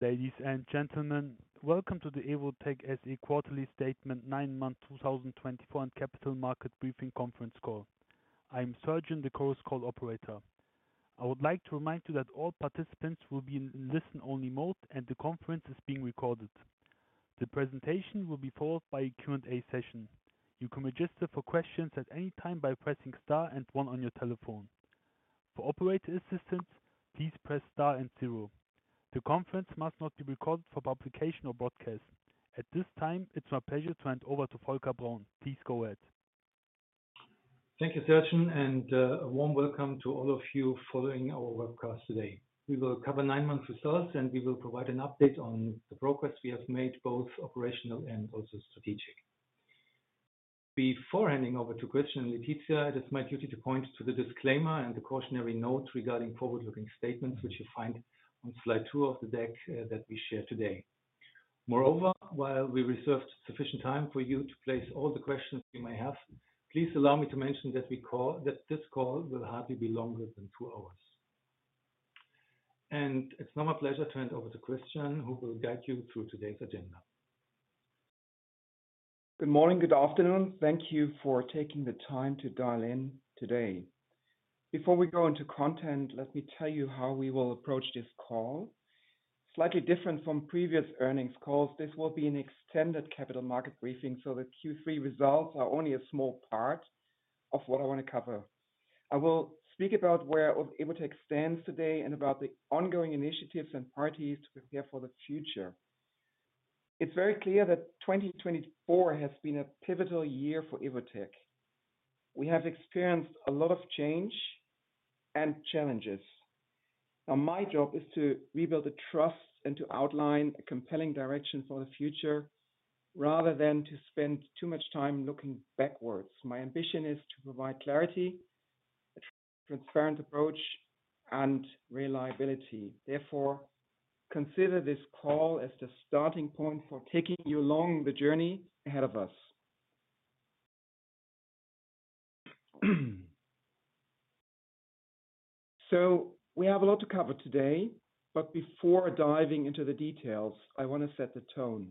Ladies and gentlemen, welcome to the Evotec SE Quarterly Statement, 9th month, 2024, and Capital Market Briefing Conference call. I am Sergin, the Chorus Call operator. I would like to remind you that all participants will be in listen-only mode and the conference is being recorded. The presentation will be followed by a Q&A session. You can register for questions at any time by pressing star and one on your telephone. For operator assistance, please press star and zero. The conference must not be recorded for publication or broadcast. At this time, it's my pleasure to hand over to Volker Braun. Please go ahead. Thank you, Sergin, and a warm welcome to all of you following our webcast today. We will cover nine months results, and we will provide an update on the progress we have made, both operational and also strategic. Before handing over to Christian and Laetitia, it is my duty to point to the disclaimer and the cautionary note regarding forward-looking statements, which you find on slide two of the deck that we share today. Moreover, while we reserved sufficient time for you to place all the questions you may have, please allow me to mention that this call will hardly be longer than two hours. It's now my pleasure to hand over to Christian, who will guide you through today's agenda. Good morning, good afternoon. Thank you for taking the time to dial in today. Before we go into content, let me tell you how we will approach this call. Slightly different from previous earnings calls, this will be an extended capital market briefing, so the Q3 results are only a small part of what I want to cover. I will speak about where Evotec stands today and about the ongoing initiatives and partners to prepare for the future. It's very clear that 2024 has been a pivotal year for Evotec. We have experienced a lot of change and challenges. Now, my job is to rebuild the trust and to outline a compelling direction for the future rather than to spend too much time looking backwards. My ambition is to provide clarity, a transparent approach, and reliability. Therefore, consider this call as the starting point for taking you along the journey ahead of us, so we have a lot to cover today, but before diving into the details, I want to set the tone.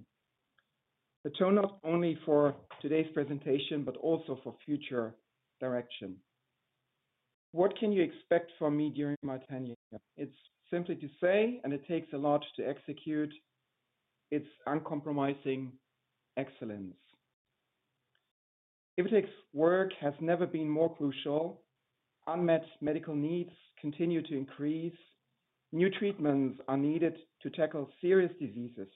The tone not only for today's presentation, but also for future direction. What can you expect from me during my tenure? It's simply to say, and it takes a lot to execute, it's uncompromising excellence. Evotec's work has never been more crucial. Unmet medical needs continue to increase. New treatments are needed to tackle serious diseases.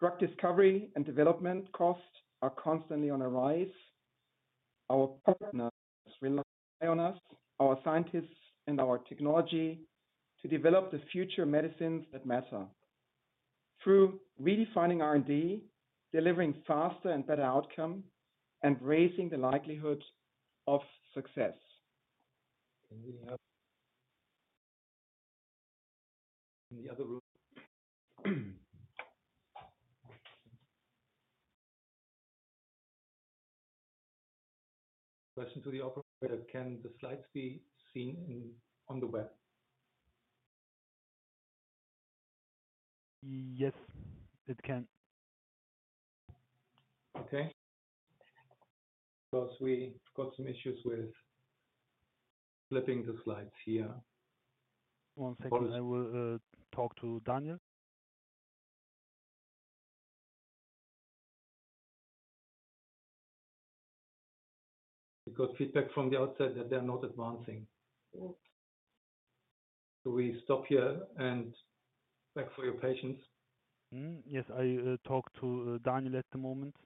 Drug discovery and development costs are constantly on the rise. Our partners rely on us, our scientists, and our technology to develop the future medicines that matter. Through redefining R&D, delivering faster and better outcomes, and raising the likelihood of success. In the other room, question to the operator: Can the slides be seen on the web? Yes, it can. Okay. Because we got some issues with flipping the slides here. One second, I will talk to Daniel. We got feedback from the outside that they're not advancing. So we stop here and thank you for your patience. Yes, I talk to Daniel at the moment.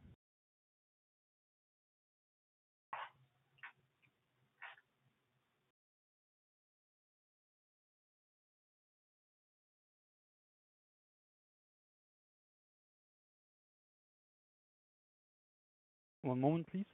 One moment, please.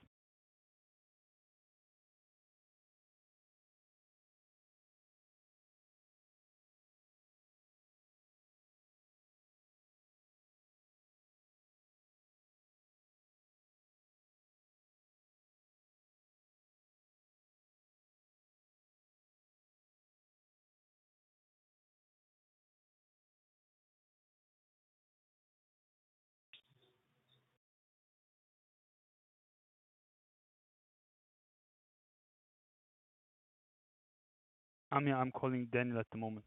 Amir, I'm calling Daniel at the moment.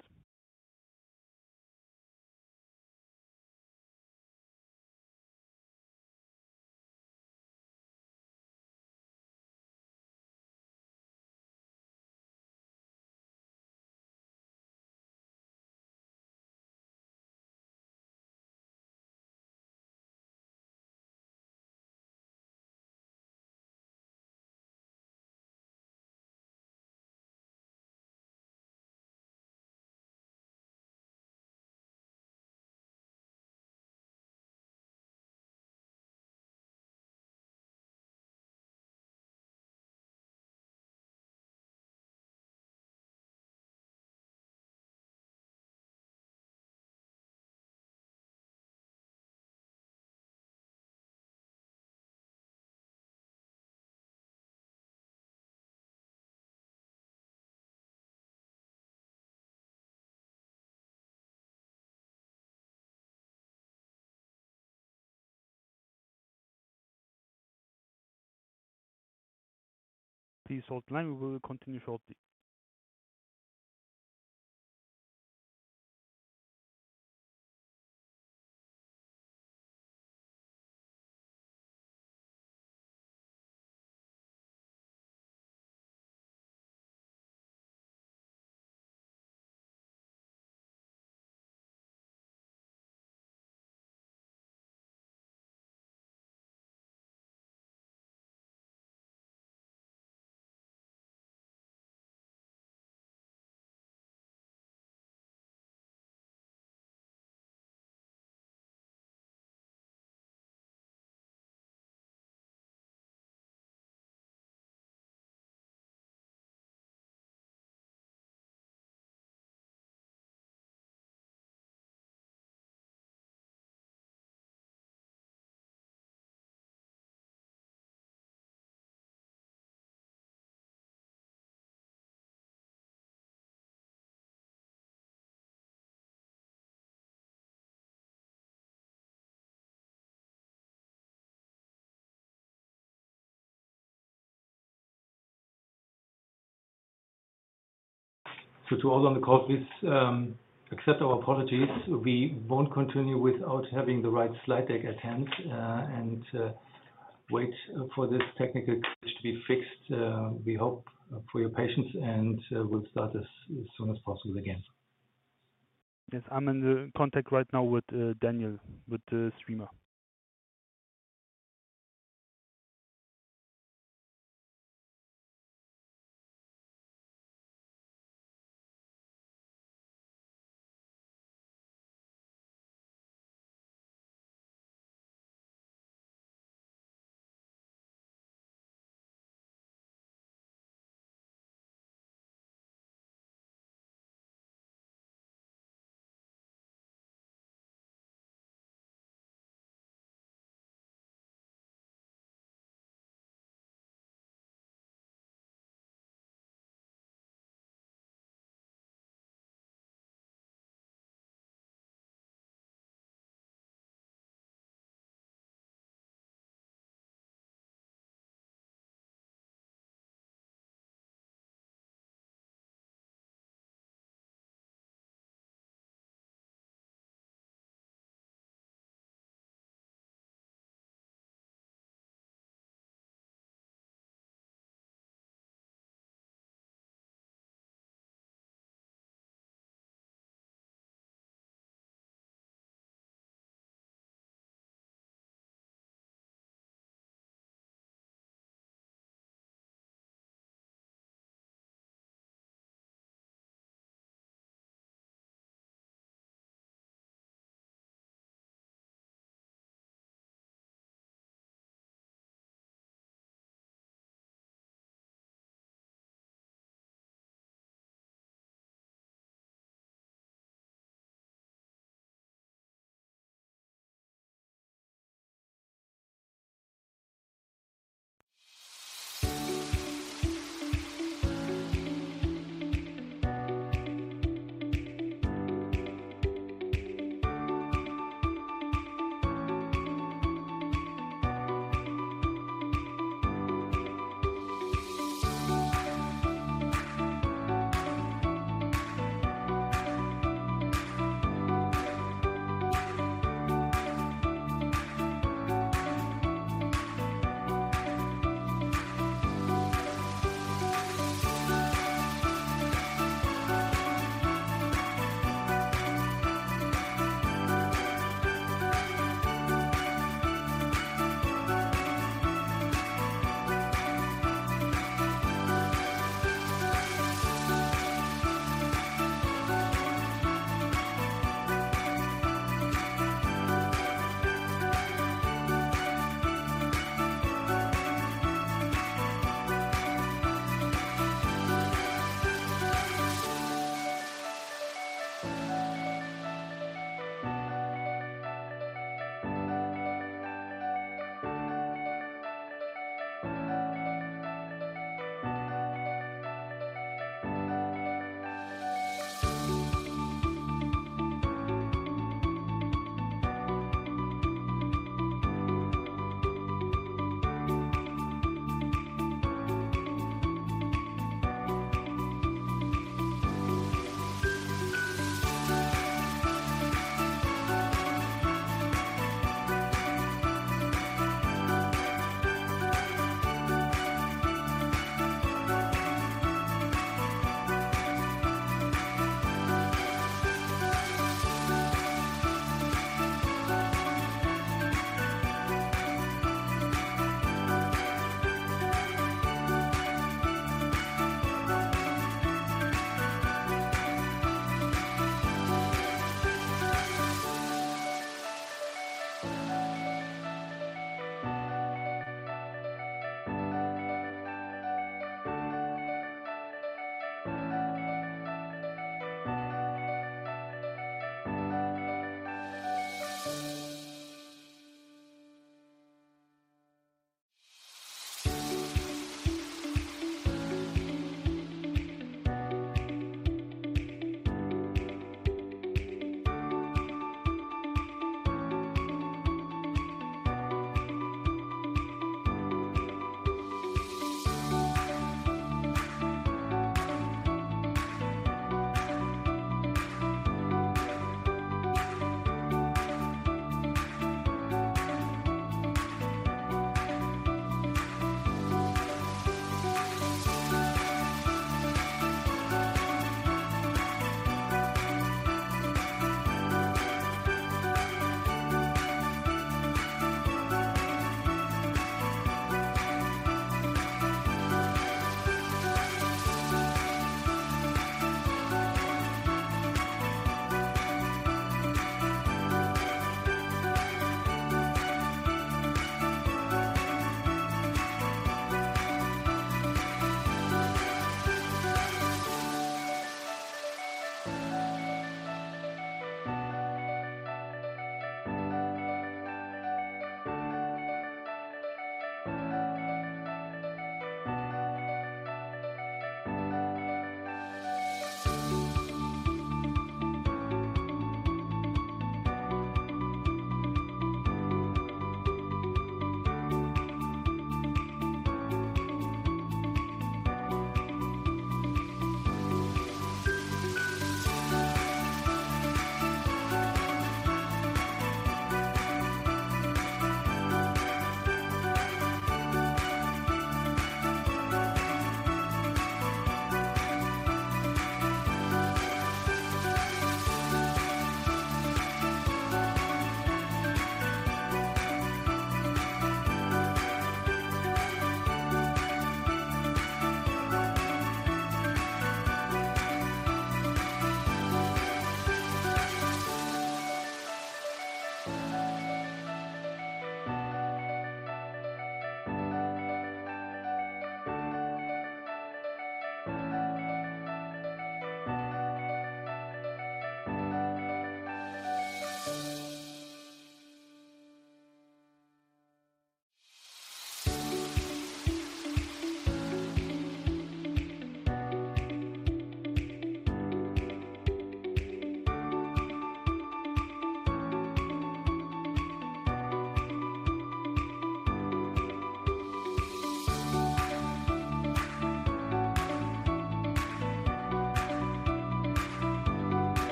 Please hold the line. We will continue shortly. To all on the call, please accept our apologies. We won't continue without having the right slide deck at hand and wait for this technical glitch to be fixed. We hope for your patience and will start as soon as possible again. Yes, I'm in contact right now with Daniel, with the streamer.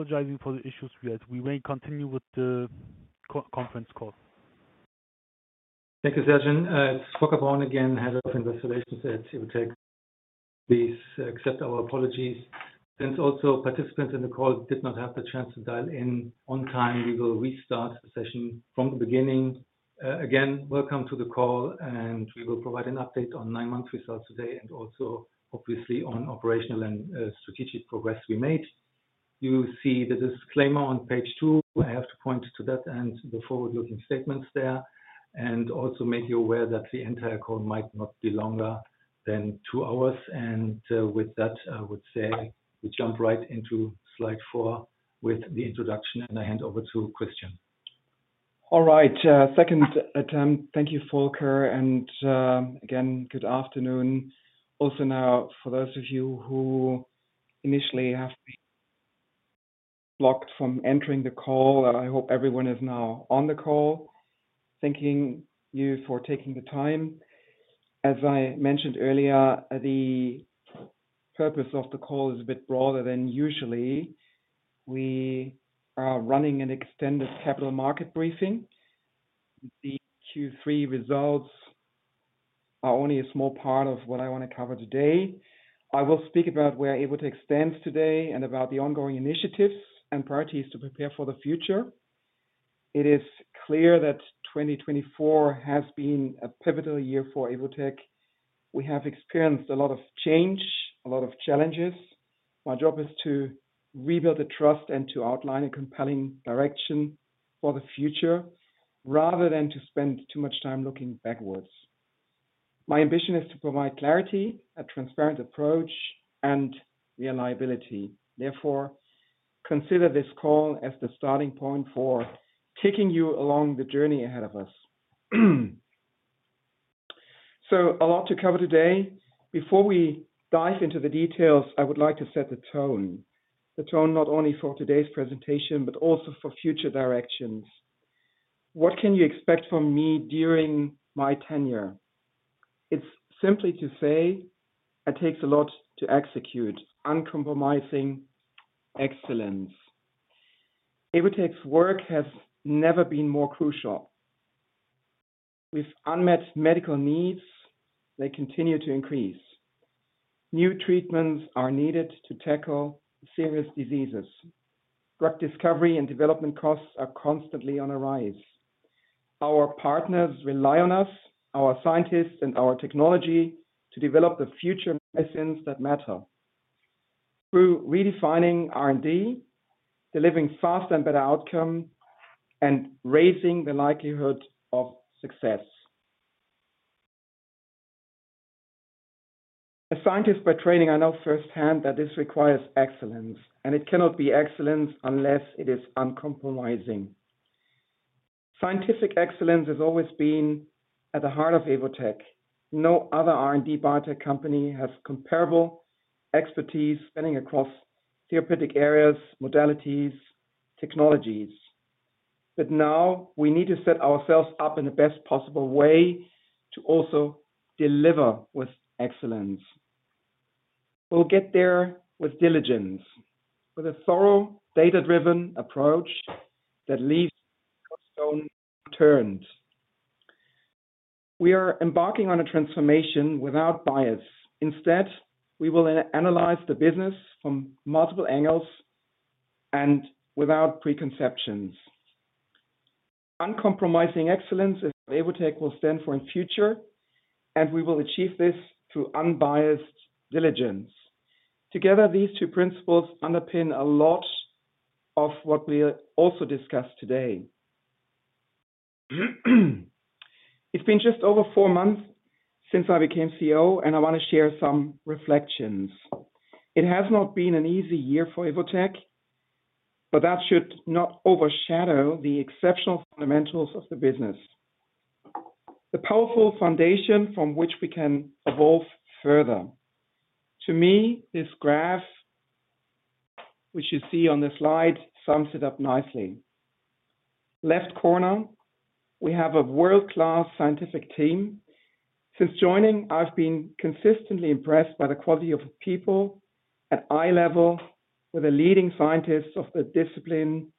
Apologizing for the issues we had. We may continue with the conference call. Thank you, Sergin. It's Volker Braun again, Head of Global Investor Relations and ESG at Evotec. Please accept our apologies. Since also participants in the call did not have the chance to dial in on time, we will restart the session from the beginning. Again, welcome to the call, and we will provide an update on nine-month results today and also, obviously, on operational and strategic progress we made. You see the disclaimer on page two. I have to point to that and the forward-looking statements there. And also make you aware that the entire call might not be longer than two hours. And with that, I would say we jump right into slide four with the introduction, and I hand over to Christian. All right. Second attempt, thank you, Volker. And again, good afternoon. Also now, for those of you who initially have been blocked from entering the call, I hope everyone is now on the call. Thank you for taking the time. As I mentioned earlier, the purpose of the call is a bit broader than usual. We are running an extended capital market briefing. The Q3 results are only a small part of what I want to cover today. I will speak about where Evotec stands today and about the ongoing initiatives and priorities to prepare for the future. It is clear that 2024 has been a pivotal year for Evotec. We have experienced a lot of change, a lot of challenges. My job is to rebuild the trust and to outline a compelling direction for the future rather than to spend too much time looking backwards. My ambition is to provide clarity, a transparent approach, and reliability. Therefore, consider this call as the starting point for taking you along the journey ahead of us. So a lot to cover today. Before we dive into the details, I would like to set the tone. The tone not only for today's presentation, but also for future directions. What can you expect from me during my tenure? It's simply to say it takes a lot to execute. Uncompromising excellence. Evotec's work has never been more crucial. With unmet medical needs, they continue to increase. New treatments are needed to tackle serious diseases. Drug discovery and development costs are constantly on the rise. Our partners rely on us, our scientists, and our technology to develop the future medicines that matter. Through redefining R&D, delivering faster and better outcomes, and raising the likelihood of success. As scientists by training, I know firsthand that this requires excellence, and it cannot be excellence unless it is uncompromising. Scientific excellence has always been at the heart of Evotec. No other R&D biotech company has comparable expertise spanning across therapeutic areas, modalities, technologies. But now we need to set ourselves up in the best possible way to also deliver with excellence. We'll get there with diligence, with a thorough, data-driven approach that leaves no stone unturned. We are embarking on a transformation without bias. Instead, we will analyze the business from multiple angles and without preconceptions. Uncompromising excellence is what Evotec will stand for in the future, and we will achieve this through unbiased diligence. Together, these two principles underpin a lot of what we also discuss today. It's been just over four months since I became CEO, and I want to share some reflections. It has not been an easy year for Evotec, but that should not overshadow the exceptional fundamentals of the business, the powerful foundation from which we can evolve further. To me, this graph, which you see on the slide, sums it up nicely. Left corner, we have a world-class scientific team. Since joining, I've been consistently impressed by the quality of people at eye level with the leading scientists of the discipline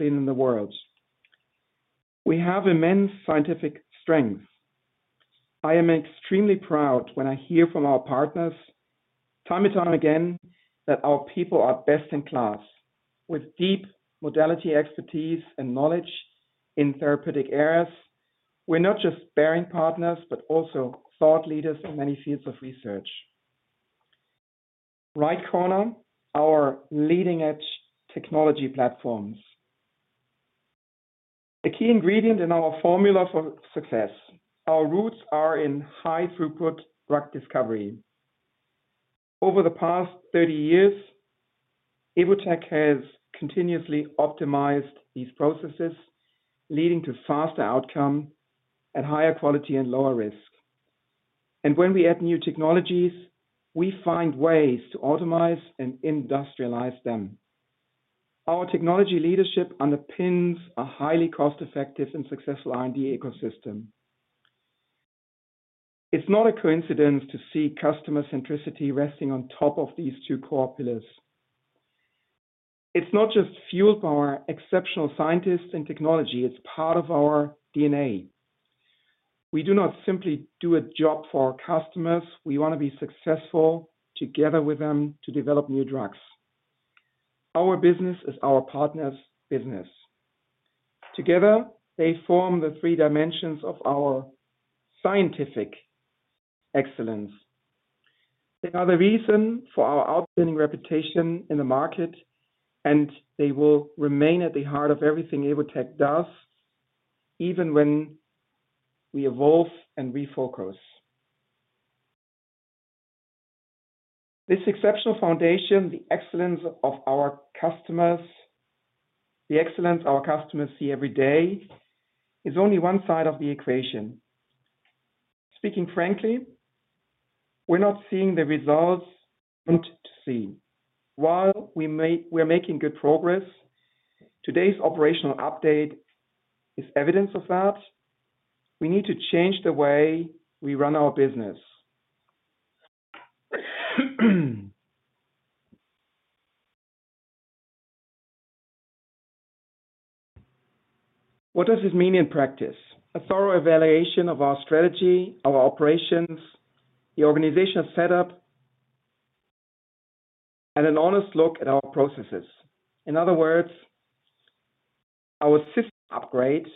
in the world. We have immense scientific strength. I am extremely proud when I hear from our partners time and time again that our people are best in class with deep modality expertise and knowledge in therapeutic areas. We're not just mere partners, but also thought leaders in many fields of research. Right corner, our leading-edge technology platforms. A key ingredient in our formula for success. Our roots are in high-throughput drug discovery. Over the past 30 years, Evotec has continuously optimized these processes, leading to faster outcomes at higher quality and lower risk, and when we add new technologies, we find ways to optimize and industrialize them. Our technology leadership underpins a highly cost-effective and successful R&D ecosystem. It's not a coincidence to see customer centricity resting on top of these two core pillars. It's not just fueled by our exceptional scientists and technology. It's part of our DNA. We do not simply do a job for our customers. We want to be successful together with them to develop new drugs. Our business is our partner's business. Together, they form the three dimensions of our scientific excellence. They are the reason for our outstanding reputation in the market, and they will remain at the heart of everything Evotec does, even when we evolve and refocus. This exceptional foundation, the excellence of our customers, the excellence our customers see every day, is only one side of the equation. Speaking frankly, we're not seeing the results we want to see. While we're making good progress, today's operational update is evidence of that. We need to change the way we run our business. What does this mean in practice? A thorough evaluation of our strategy, our operations, the organizational setup, and an honest look at our processes. In other words, our system upgrade is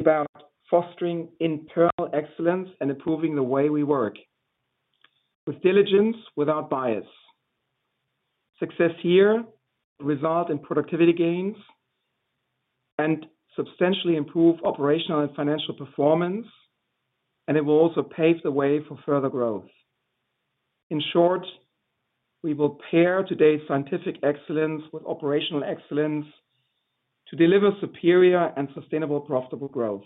about fostering internal excellence and improving the way we work with diligence without bias. Success here will result in productivity gains and substantially improve operational and financial performance, and it will also pave the way for further growth. In short, we will pair today's scientific excellence with operational excellence to deliver superior and sustainable, profitable growth.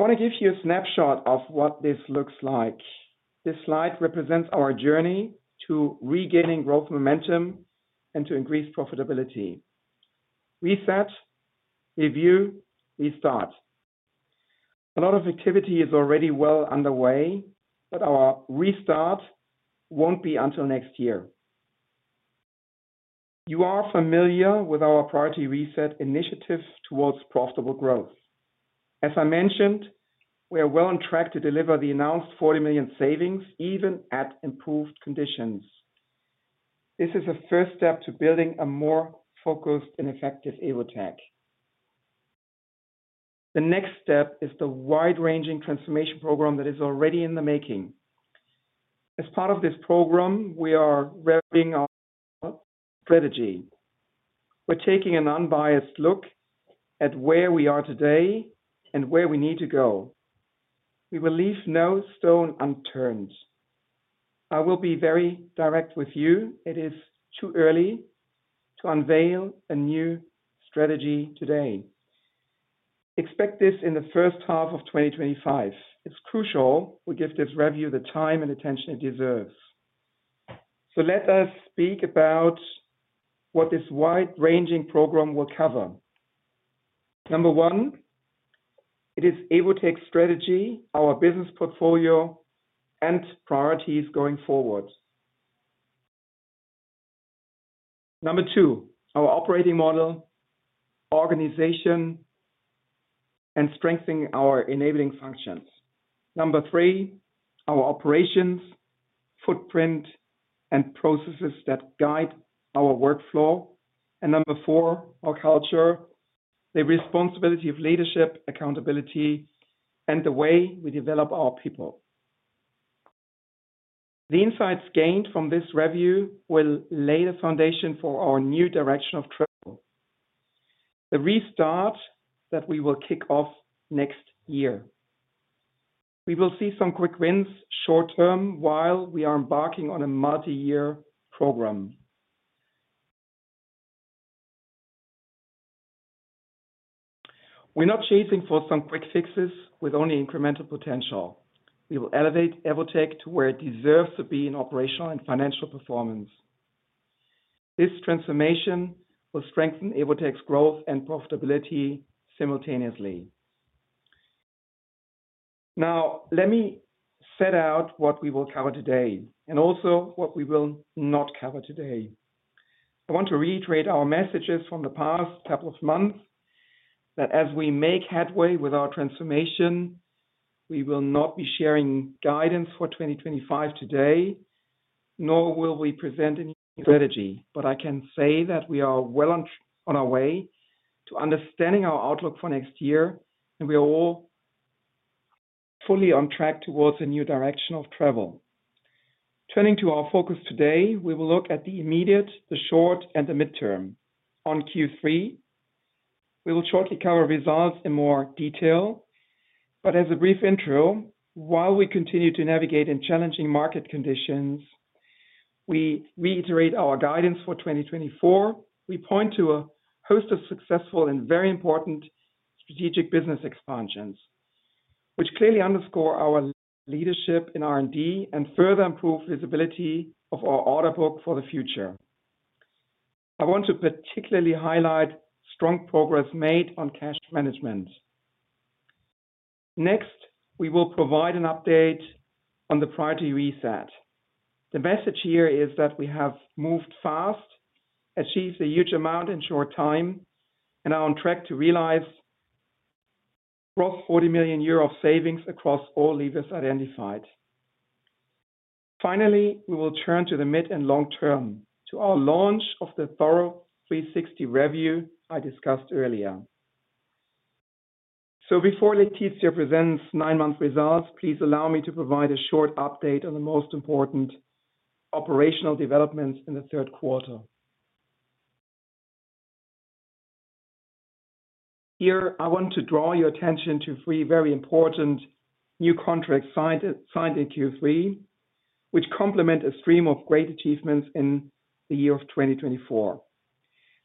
I want to give you a snapshot of what this looks like. This slide represents our journey to regaining growth momentum and to increase profitability. Reset, review, restart. A lot of activity is already well underway, but our restart won't be until next year. You are familiar with our Priority Reset initiative towards profitable growth. As I mentioned, we are well on track to deliver the announced 40 million savings, even at improved conditions. This is a first step to building a more focused and effective Evotec. The next step is the wide-ranging transformation program that is already in the making. As part of this program, we are revising our strategy. We're taking an unbiased look at where we are today and where we need to go. We will leave no stone unturned. I will be very direct with you. It is too early to unveil a new strategy today. Expect this in the first half of 2025. It's crucial we give this review the time and attention it deserves, so let us speak about what this wide-ranging program will cover. Number one, it is Evotec's strategy, our business portfolio, and priorities going forward. Number two, our operating model, organization, and strengthening our enabling functions. Number three, our operations, footprint, and processes that guide our workflow. And number four, our culture, the responsibility of leadership, accountability, and the way we develop our people. The insights gained from this review will lay the foundation for our new direction of travel, the restart that we will kick off next year. We will see some quick wins short term while we are embarking on a multi-year program. We're not chasing for some quick fixes with only incremental potential. We will elevate Evotec to where it deserves to be in operational and financial performance. This transformation will strengthen Evotec's growth and profitability simultaneously. Now, let me set out what we will cover today and also what we will not cover today. I want to reiterate our messages from the past couple of months that as we make headway with our transformation, we will not be sharing guidance for 2025 today, nor will we present any strategy, but I can say that we are well on our way to understanding our outlook for next year, and we are all fully on track towards a new direction of travel. Turning to our focus today, we will look at the immediate, the short, and the midterm on Q3. We will shortly cover results in more detail, but as a brief intro, while we continue to navigate in challenging market conditions, we reiterate our guidance for 2024. We point to a host of successful and very important strategic business expansions, which clearly underscore our leadership in R&D and further improve visibility of our order book for the future. I want to particularly highlight strong progress made on cash management. Next, we will provide an update on the Priority Reset. The message here is that we have moved fast, achieved a huge amount in short time, and are on track to realize gross 40 million euro of savings across all levers identified. Finally, we will turn to the mid and long term to our launch of the Thorough 360 review I discussed earlier. So before Laetitia presents nine-month results, please allow me to provide a short update on the most important operational developments in the third quarter. Here, I want to draw your attention to three very important new contracts signed in Q3, which complement a stream of great achievements in the year of 2024.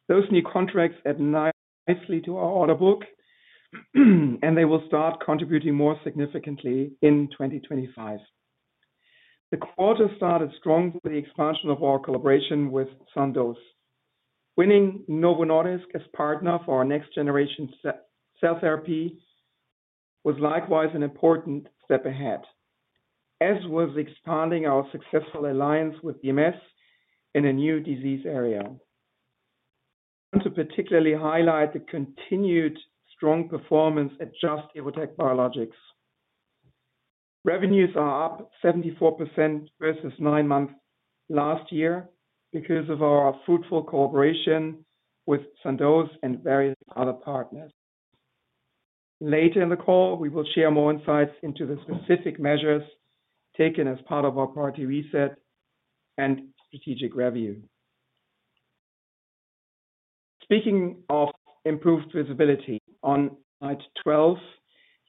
Those new contracts add nicely to our order book, and they will start contributing more significantly in 2025. The quarter started strong with the expansion of our collaboration with Sandoz. Winning Novo Nordisk as partner for our next-generation cell therapy was likewise an important step ahead, as was expanding our successful alliance with BMS in a new disease area. I want to particularly highlight the continued strong performance at Just – Evotec Biologics. Revenues are up 74% versus nine months last year because of our fruitful collaboration with Sandoz and various other partners. Later in the call, we will share more insights into the specific measures taken as part of our Priority Reset and strategic review. Speaking of improved visibility, on slide 12,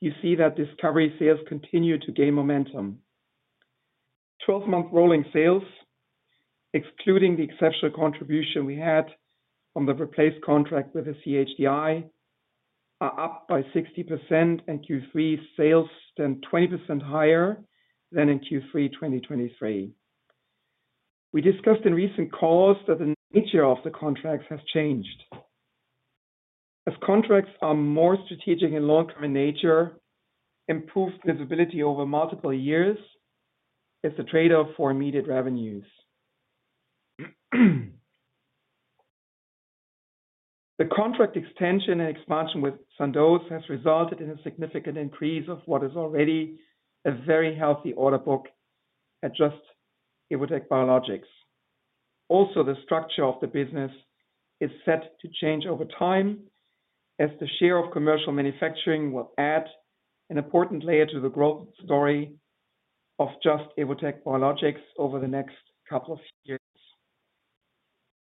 you see that discovery sales continue to gain momentum. Twelve-month rolling sales, excluding the exceptional contribution we had from the replaced contract with the CHDI, are up by 60%, and Q3 sales stand 20% higher than in Q3 2023. We discussed in recent calls that the nature of the contracts has changed. As contracts are more strategic and long-term in nature, improved visibility over multiple years is the trade-off for immediate revenues. The contract extension and expansion with Sandoz has resulted in a significant increase of what is already a very healthy order book at Just – Evotec Biologics. Also, the structure of the business is set to change over time as the share of commercial manufacturing will add an important layer to the growth story of Just – Evotec Biologics over the next couple of years.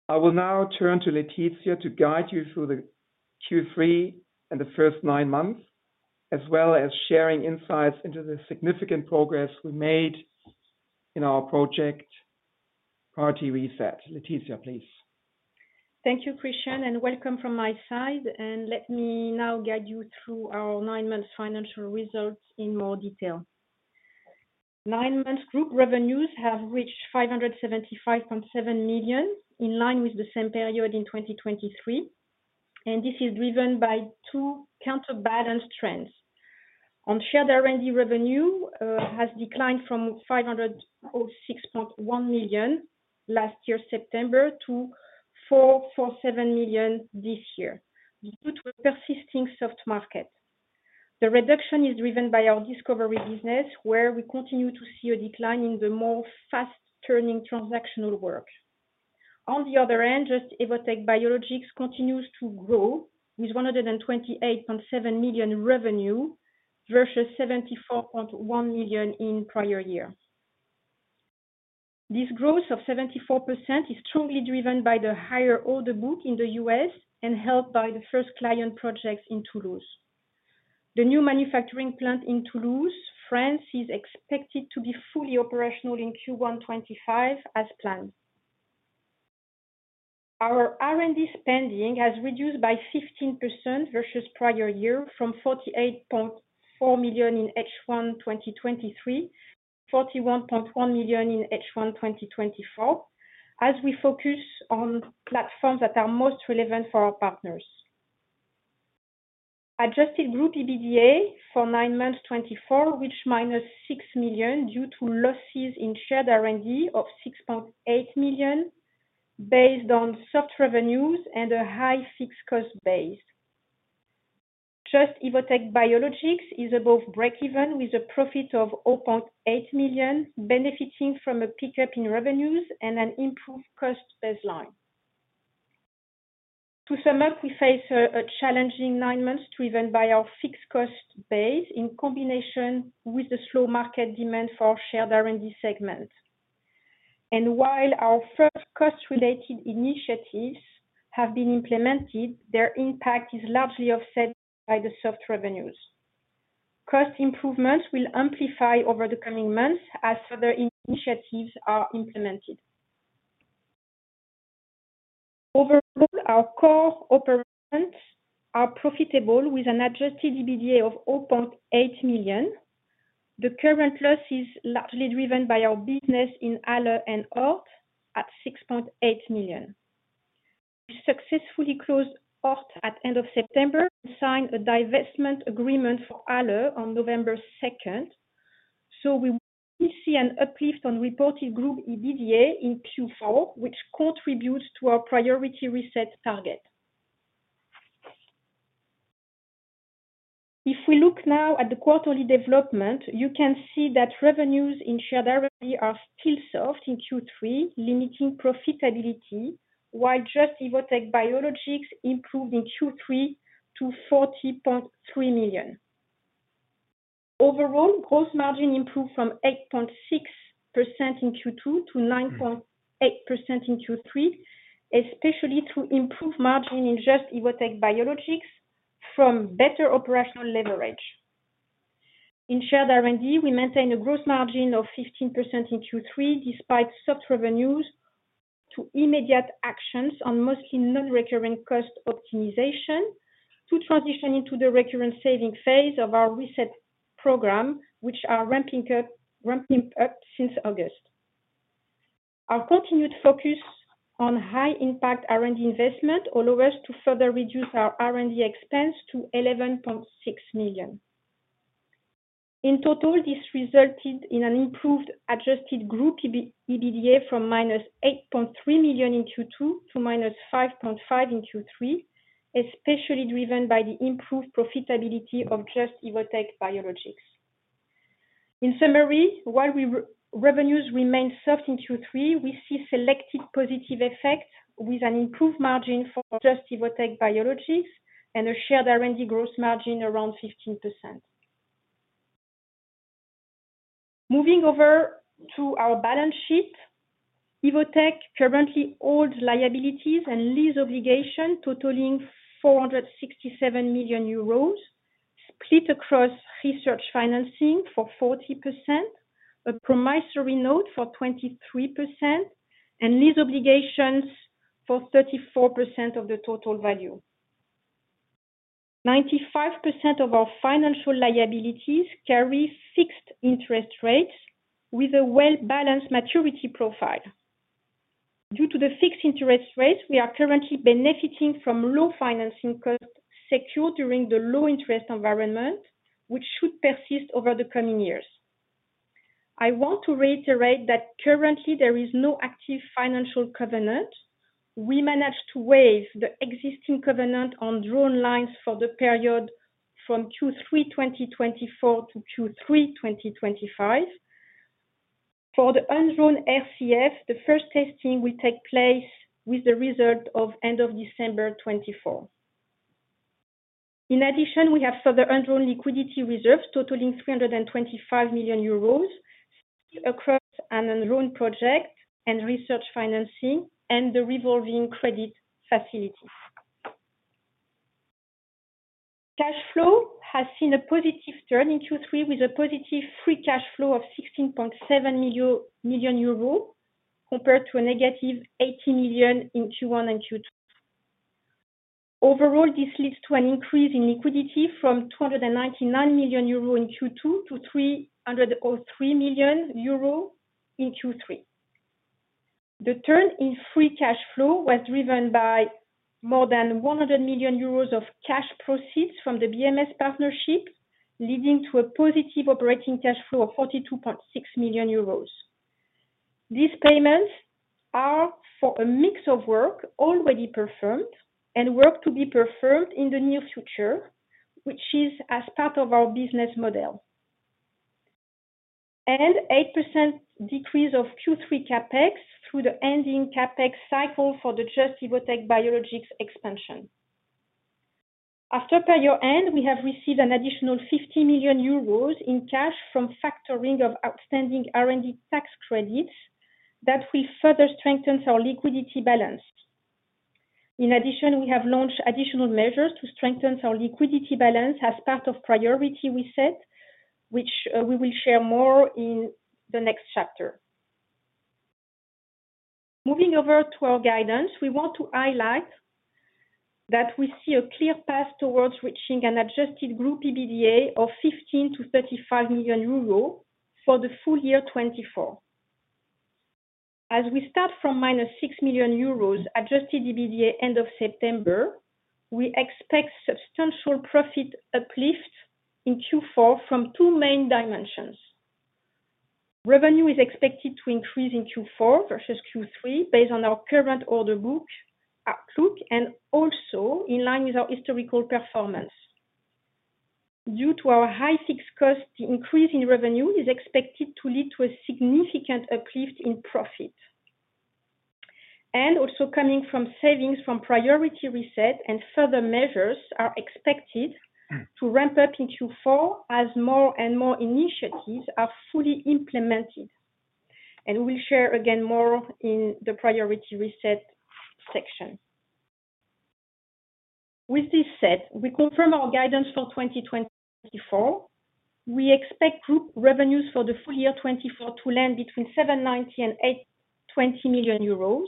I will now turn to Laetitia to guide you through the Q3 and the first nine months, as well as sharing insights into the significant progress we made in our Priority Reset. Laetitia, please. Thank you, Christian, and welcome from my side. And let me now guide you through our nine-month financial results in more detail. Nine-month group revenues have reached 575.7 million, in line with the same period in 2023. And this is driven by two counterbalanced trends. On Shared R&D revenue has declined from 506.1 million last year, September, to 447 million this year, due to a persisting soft market. The reduction is driven by our discovery business, where we continue to see a decline in the more fast-turning transactional work. On the other end, Just – Evotec Biologics continues to grow with 128.7 million revenue versus 74.1 million in prior year. This growth of 74% is strongly driven by the higher order book in the US and helped by the first client projects in Toulouse. The new manufacturing plant in Toulouse, France, is expected to be fully operational in Q1 2025 as planned. Our R&D spending has reduced by 15% versus prior year, from 48.4 million in H1 2023 to 41.1 million in H1 2024, as we focus on platforms that are most relevant for our partners. Adjusted group EBITDA for nine months 2024 reached minus 6 million due to losses in Shared R&D of 6.8 million based on soft revenues and a high fixed cost base. Just – Evotec Biologics is above breakeven with a profit of 0.8 million, benefiting from a pickup in revenues and an improved cost baseline. To sum up, we face a challenging nine months driven by our fixed cost base in combination with the slow market demand for our Shared R&D segment, and while our first cost-related initiatives have been implemented, their impact is largely offset by the soft revenues. Cost improvements will amplify over the coming months as further initiatives are implemented. Overall, our core operations are profitable with an Adjusted EBITDA of 0.8 million. The current loss is largely driven by our business in Halle and Orth at 6.8 million. We successfully closed Orth at the end of September and signed a divestment agreement for Halle on November 2nd, so we see an uplift on reported group EBITDA in Q4, which contributes to our Priority Reset target. If we look now at the quarterly development, you can see that revenues in Shared R&D are still soft in Q3, limiting profitability, while Just – Evotec Biologics improved in Q3 to 40.3 million. Overall, gross margin improved from 8.6% in Q2 to 9.8% in Q3, especially through improved margin in Just – Evotec Biologics from better operational leverage. In Shared R&D, we maintain a gross margin of 15% in Q3 despite soft revenues. Due to immediate actions on mostly non-recurrent cost optimization to transition into the recurrent saving phase of our reset program, which are ramping up since August. Our continued focus on high-impact R&D investment allowed us to further reduce our R&D expense to 11.6 million. In total, this resulted in an improved adjusted group EBITDA from minus 8.3 million in Q2 to minus 5.5 million in Q3, especially driven by the improved profitability of Just – Evotec Biologics. In summary, while revenues remain soft in Q3, we see selected positive effects with an improved margin for Just – Evotec Biologics and a Shared R&D gross margin around 15%. Moving over to our balance sheet, Evotec currently holds liabilities and lease obligations totaling 467 million euros, split across research financing for 40%, a promissory note for 23%, and lease obligations for 34% of the total value. 95% of our financial liabilities carry fixed interest rates with a well-balanced maturity profile. Due to the fixed interest rates, we are currently benefiting from low financing costs secured during the low-interest environment, which should persist over the coming years. I want to reiterate that currently there is no active financial covenant. We managed to waive the existing covenant on drawn lines for the period from Q3 2024 to Q3 2025. For the undrawn RCF, the first testing will take place with the result of end of December 2024. In addition, we have further undrawn liquidity reserves totaling 325 million euros across an undrawn project and research financing and the revolving credit facility. Cash flow has seen a positive turn in Q3 with a positive free cash flow of 16.7 million euro compared to a negative 80 million in Q1 and Q2. Overall, this leads to an increase in liquidity from 299 million euro in Q2 to 303 million euro in Q3. The turn in free cash flow was driven by more than 100 million euros of cash proceeds from the BMS partnership, leading to a positive operating cash flow of 42.6 million euros. These payments are for a mix of work already performed and work to be performed in the near future, which is as part of our business model. An 8% decrease of Q3 CAPEX through the ending CAPEX cycle for the Just – Evotec Biologics expansion. After year end, we have received an additional 50 million euros in cash from factoring of outstanding R&D tax credits that will further strengthen our liquidity balance. In addition, we have launched additional measures to strengthen our liquidity balance as part of Priority Reset, which we will share more in the next chapter. Moving over to our guidance, we want to highlight that we see a clear path towards reaching an adjusted group EBITDA of 15-35 million euros for the full year 2024. As we start from minus 6 million euros adjusted EBITDA end of September, we expect substantial profit uplift in Q4 from two main dimensions. Revenue is expected to increase in Q4 versus Q3 based on our current order book outlook and also in line with our historical performance. Due to our high fixed cost, the increase in revenue is expected to lead to a significant uplift in profit. And also coming from savings from Priority Reset and further measures are expected to ramp up in Q4 as more and more initiatives are fully implemented. And we'll share again more in the Priority Reset section. With this set, we confirm our guidance for 2024. We expect group revenues for the full year 2024 to land between 790 million and 820 million euros.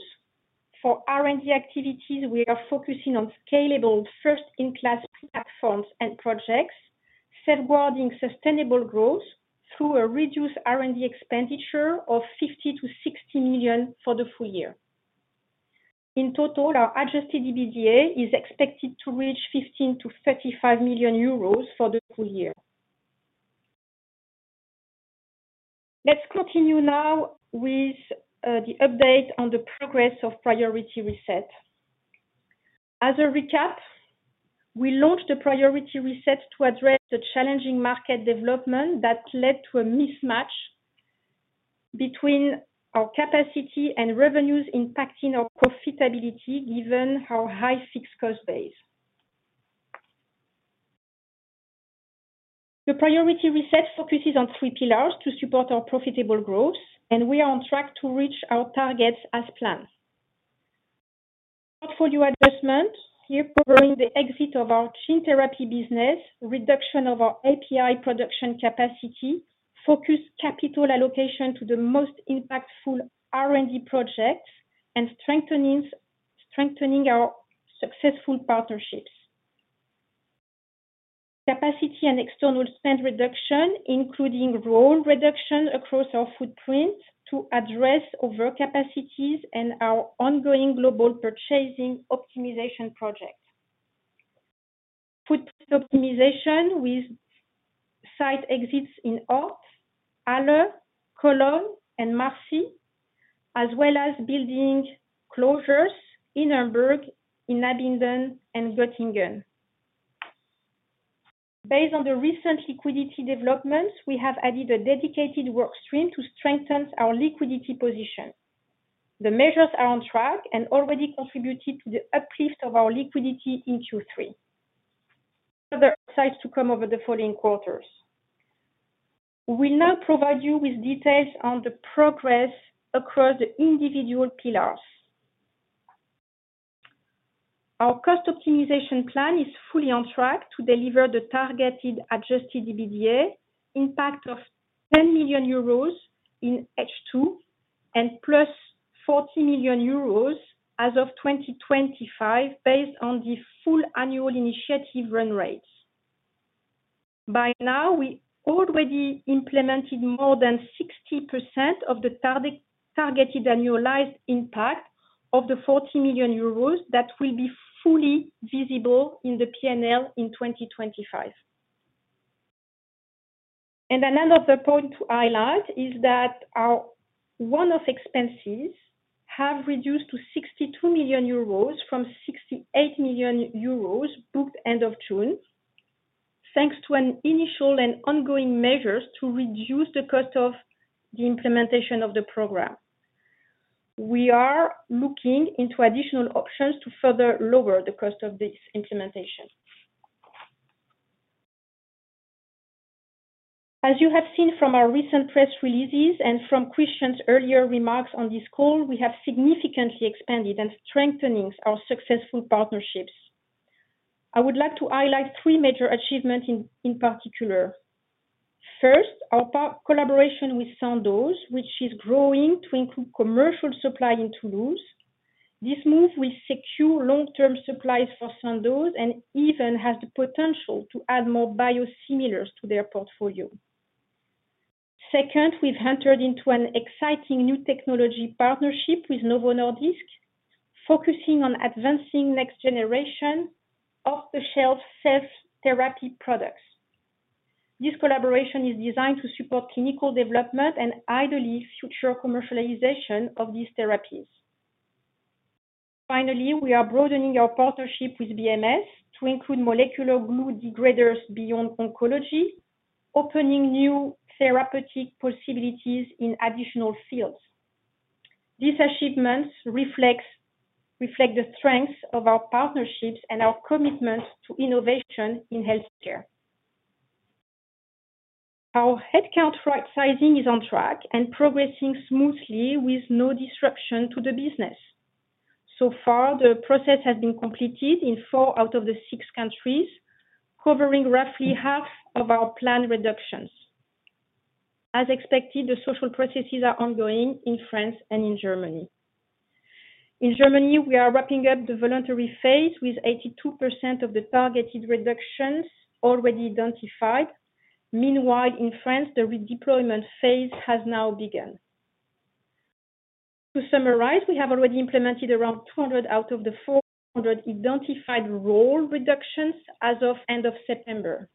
For R&D activities, we are focusing on scalable first-in-class platforms and projects, safeguarding sustainable growth through a reduced R&D expenditure of 50 million to 60 million for the full year. In total, our adjusted EBITDA is expected to reach 15 million-35 million euros for the full year. Let's continue now with the update on the progress of Priority Reset. As a recap, we launched the Priority Reset to address the challenging market development that led to a mismatch between our capacity and revenues impacting our profitability given our high fixed cost base. The Priority Reset focuses on three pillars to support our profitable growth, and we are on track to reach our targets as planned. Portfolio adjustment here covering the exit of our gene therapy business, reduction of our API production capacity, focused capital allocation to the most impactful R&D projects, and strengthening our successful partnerships. Capacity and external spend reduction, including role reduction across our footprint to address overcapacities and our ongoing global purchasing optimization project. Footprint optimization with site exits in Orth an der Donau, Halle, Cologne, and Marseille, as well as building closures in Hamburg, in Abingdon, and Göttingen. Based on the recent liquidity developments, we have added a dedicated workstream to strengthen our liquidity position. The measures are on track and already contributed to the uplift of our liquidity in Q3. Further upsides to come over the following quarters. We'll now provide you with details on the progress across the individual pillars. Our cost optimization plan is fully on track to deliver the targeted Adjusted EBITDA impact of 10 million euros in H2 and plus 40 million euros as of 2025 based on the full annual initiative run rates. By now, we already implemented more than 60% of the targeted annualized impact of the 40 million euros that will be fully visible in the P&L in 2025. And another point to highlight is that our one-off expenses have reduced to 62 million euros from 68 million euros booked end of June, thanks to initial and ongoing measures to reduce the cost of the implementation of the program. We are looking into additional options to further lower the cost of this implementation. As you have seen from our recent press releases and from Christian's earlier remarks on this call, we have significantly expanded and strengthened our successful partnerships. I would like to highlight three major achievements in particular. First, our collaboration with Sandoz, which is growing to include commercial supply in Toulouse. This move will secure long-term supplies for Sandoz and even has the potential to add more biosimilars to their portfolio. Second, we've entered into an exciting new technology partnership with Novo Nordisk, focusing on advancing next-generation off-the-shelf cell therapy products. This collaboration is designed to support clinical development and ideally future commercialization of these therapies. Finally, we are broadening our partnership with BMS to include molecular glue degraders beyond oncology, opening new therapeutic possibilities in additional fields. These achievements reflect the strengths of our partnerships and our commitment to innovation in healthcare. Our headcount right-sizing is on track and progressing smoothly with no disruption to the business. So far, the process has been completed in four out of the six countries, covering roughly half of our planned reductions. As expected, the social processes are ongoing in France and in Germany. In Germany, we are wrapping up the voluntary phase with 82% of the targeted reductions already identified. Meanwhile, in France, the redeployment phase has now begun. To summarize, we have already implemented around 200 out of the 400 identified role reductions as of end of September.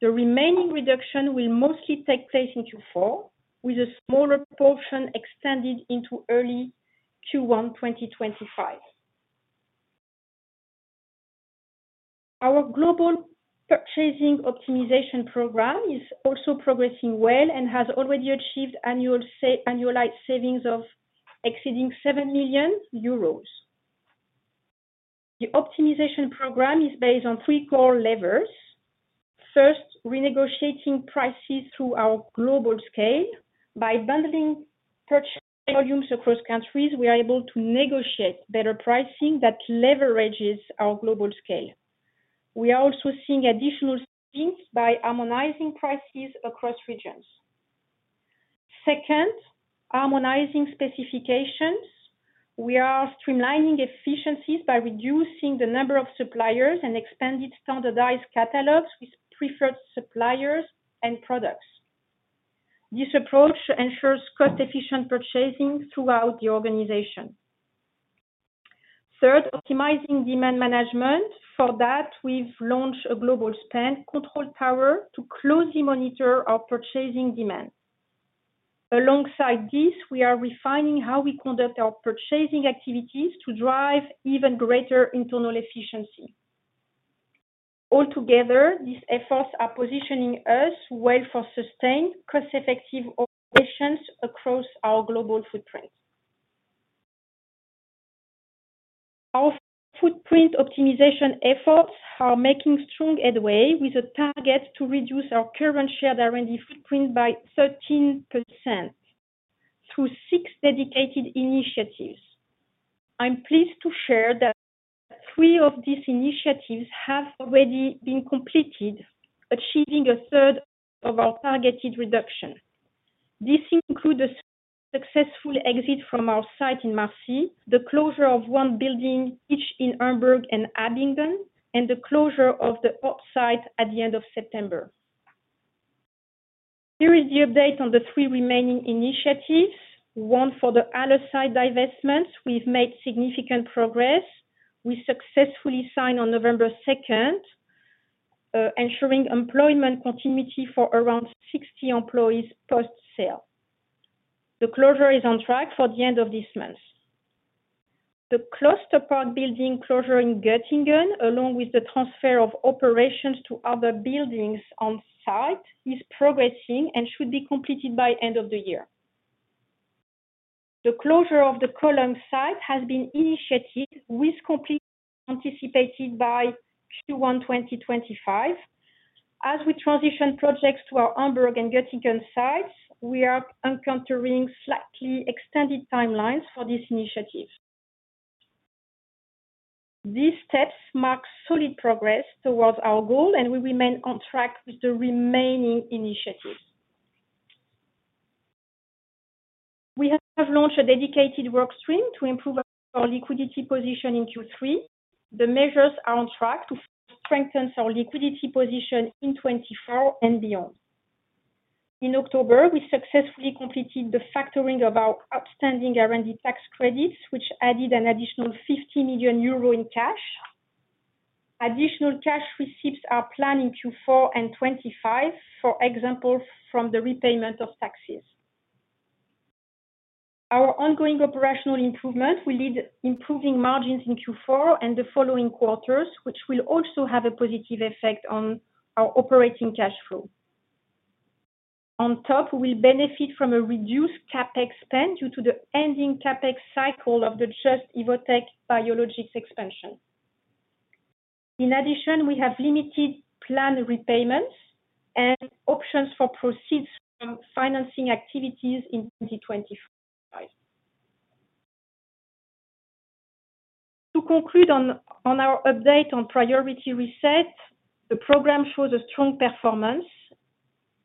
The remaining reduction will mostly take place in Q4, with a smaller portion extended into early Q1 2025. Our global purchasing optimization program is also progressing well and has already achieved annualized savings of exceeding 7 million euros. The optimization program is based on three core levers. First, renegotiating prices through our global scale. By bundling purchase volumes across countries, we are able to negotiate better pricing that leverages our global scale. We are also seeing additional savings by harmonizing prices across regions. Second, harmonizing specifications. We are streamlining efficiencies by reducing the number of suppliers and expanding standardized catalogs with preferred suppliers and products. This approach ensures cost-efficient purchasing throughout the organization. Third, optimizing demand management. For that, we've launched a global spend control tower to closely monitor our purchasing demand. Alongside this, we are refining how we conduct our purchasing activities to drive even greater internal efficiency. Altogether, these efforts are positioning us well for sustained cost-effective operations across our global footprint. Our footprint optimization efforts are making strong headway with a target to reduce our current Shared R&D footprint by 13% through six dedicated initiatives. I'm pleased to share that three of these initiatives have already been completed, achieving a third of our targeted reduction. This includes a successful exit from our site in Marseille, the closure of one building each in Hamburg and Abingdon, and the closure of the ORT site at the end of September. Here is the update on the three remaining initiatives. One, for the Halle divestments, we've made significant progress. We successfully signed on November 2nd, ensuring employment continuity for around 60 employees post-sale. The closure is on track for the end of this month. The cluster park building closure in Göttingen, along with the transfer of operations to other buildings on site, is progressing and should be completed by end of the year. The closure of the Cologne site has been initiated with completion anticipated by Q1 2025. As we transition projects to our Hamburg and Göttingen sites, we are encountering slightly extended timelines for this initiative. These steps mark solid progress towards our goal, and we remain on track with the remaining initiatives. We have launched a dedicated workstream to improve our liquidity position in Q3. The measures are on track to strengthen our liquidity position in 2024 and beyond. In October, we successfully completed the factoring of our outstanding R&D tax credits, which added an additional 50 million euro in cash. Additional cash receipts are planned in Q4 and 2025, for example, from the repayment of taxes. Our ongoing operational improvement will lead to improving margins in Q4 and the following quarters, which will also have a positive effect on our operating cash flow. On top, we'll benefit from a reduced CAPEX spend due to the ending CAPEX cycle of the Just – Evotec Biologics expansion. In addition, we have limited planned repayments and options for proceeds from financing activities in 2025. To conclude on our update on Priority Reset, the program shows a strong performance.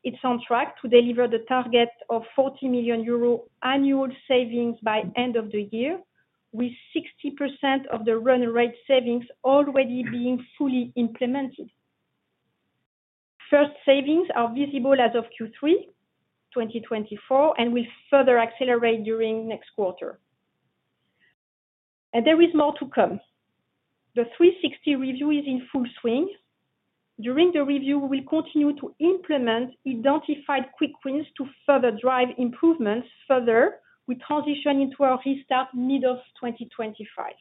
It's on track to deliver the target of 40 million euro annual savings by end of the year, with 60% of the run rate savings already being fully implemented. First savings are visible as of Q3 2024 and will further accelerate during next quarter. There is more to come. The 360 review is in full swing. During the review, we will continue to implement identified quick wins to further drive improvements further with transition into our restart mid of 2025,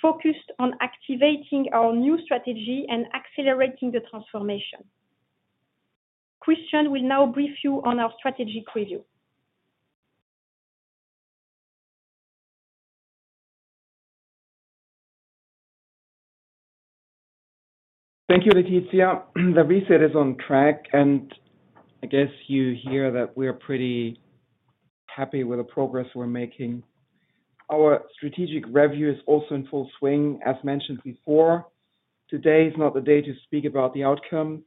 focused on activating our new strategy and accelerating the transformation. Christian will now brief you on our strategic review. Thank you, Laetitia. The reset is on track, and I guess you hear that we're pretty happy with the progress we're making. Our strategic review is also in full swing, as mentioned before. Today is not the day to speak about the outcome.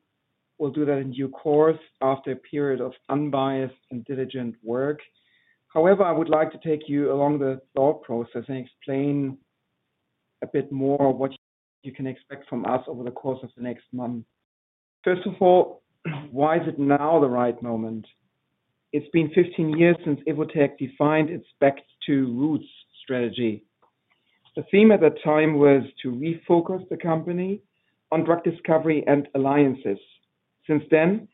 We'll do that in due course after a period of unbiased and diligent work. However, I would like to take you along the thought process and explain a bit more of what you can expect from us over the course of the next month. First of all, why is it now the right moment? It's been 15 years since Evotec defined its back-to-roots strategy. The theme at the time was to refocus the company on drug discovery and alliances. Since then,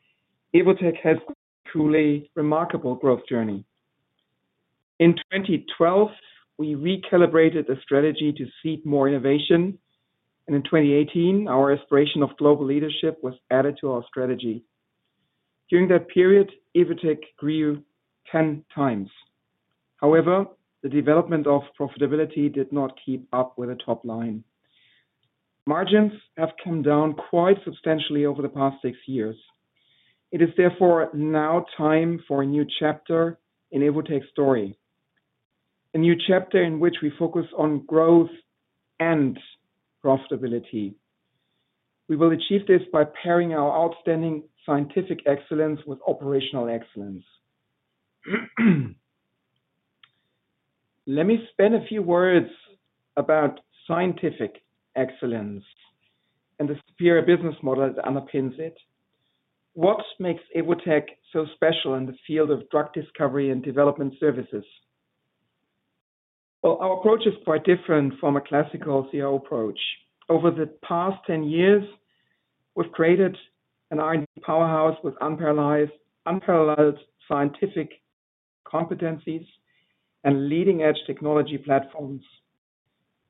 Evotec has truly remarkable growth journey. In 2012, we recalibrated the strategy to seek more innovation, and in 2018, our aspiration of global leadership was added to our strategy. During that period, Evotec grew 10 times. However, the development of profitability did not keep up with the top line. Margins have come down quite substantially over the past six years. It is therefore now time for a new chapter in Evotec's story, a new chapter in which we focus on growth and profitability. We will achieve this by pairing our outstanding scientific excellence with operational excellence. Let me spend a few words about scientific excellence and the superior business model that underpins it. What makes Evotec so special in the field of drug discovery and development services? Our approach is quite different from a classical CRO approach. Over the past 10 years, we've created an R&D powerhouse with unparalleled scientific competencies and leading-edge technology platforms.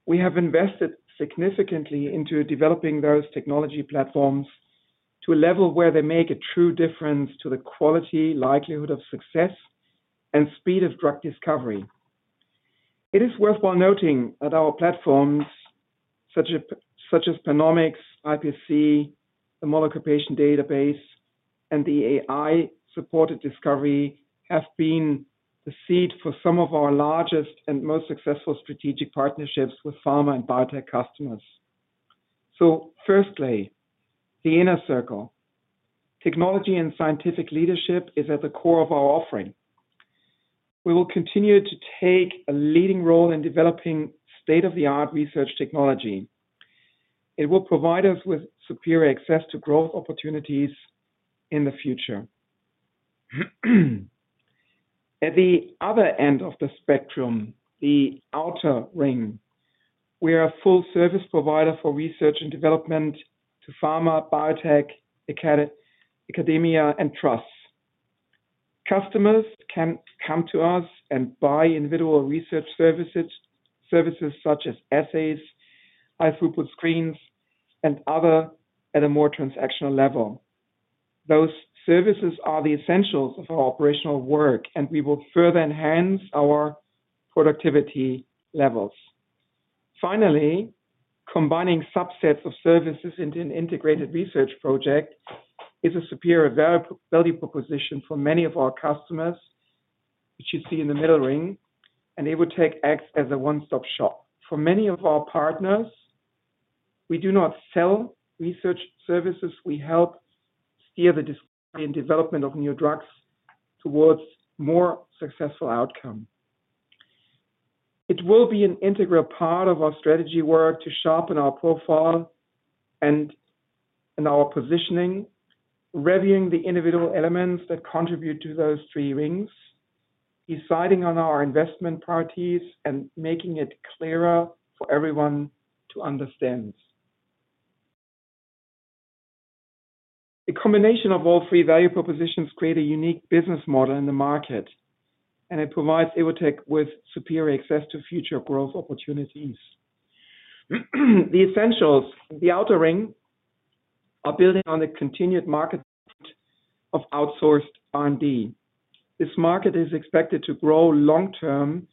We have invested significantly into developing those technology platforms to a level where they make a true difference to the quality, likelihood of success, and speed of drug discovery. It is worth noting that our platforms, such as PanOmics, iPSC, the Molecular Patient Database, and the AI-supported discovery, have been the seed for some of our largest and most successful strategic partnerships with pharma and biotech customers. Firstly, the inner circle. Technology and scientific leadership is at the core of our offering. We will continue to take a leading role in developing state-of-the-art research technology. It will provide us with superior access to growth opportunities in the future. At the other end of the spectrum, the outer ring, we are a full-service provider for research and development to pharma, biotech, academia, and trusts. Customers can come to us and buy individual research services such as assays, high-throughput screens, and other at a more transactional level. Those services are the essentials of our operational work, and we will further enhance our productivity levels. Finally, combining subsets of services into an integrated research project is a superior value proposition for many of our customers, which you see in the middle ring, and Evotec acts as a one-stop shop. For many of our partners, we do not sell research services. We help steer the discovery and development of new drugs towards more successful outcomes. It will be an integral part of our strategy work to sharpen our profile and our positioning, reviewing the individual elements that contribute to those three rings, deciding on our investment priorities, and making it clearer for everyone to understand. The combination of all three value propositions creates a unique business model in the market, and it provides Evotec with superior access to future growth opportunities. The essentials, the outer ring, are building on the continued market of outsourced R&D. This market is expected to grow long-term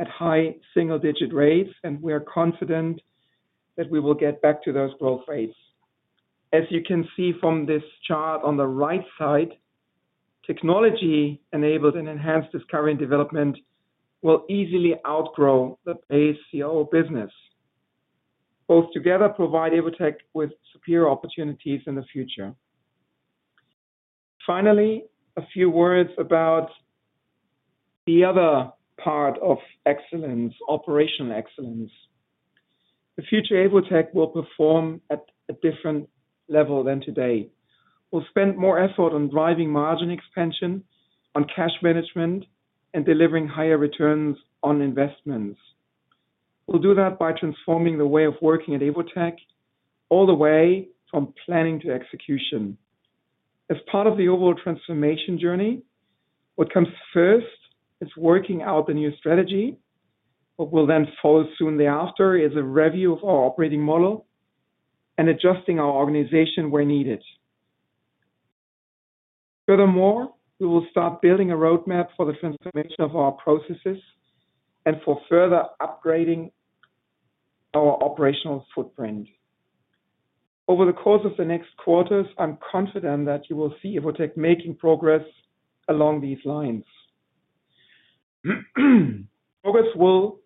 at high single-digit rates, and we are confident that we will get back to those growth rates. As you can see from this chart on the right side, technology enabled and enhanced discovery and development will easily outgrow the base CRO business. Both together provide Evotec with superior opportunities in the future. Finally, a few words about the other part of excellence, operational excellence. The future Evotec will perform at a different level than today. We'll spend more effort on driving margin expansion, on cash management, and delivering higher returns on investments. We'll do that by transforming the way of working at Evotec, all the way from planning to execution. As part of the overall transformation journey, what comes first is working out the new strategy. What will then follow soon thereafter is a review of our operating model and adjusting our organization where needed. Furthermore, we will start building a roadmap for the transformation of our processes and for further upgrading our operational footprint. Over the course of the next quarters, I'm confident that you will see Evotec making progress along these lines. Progress will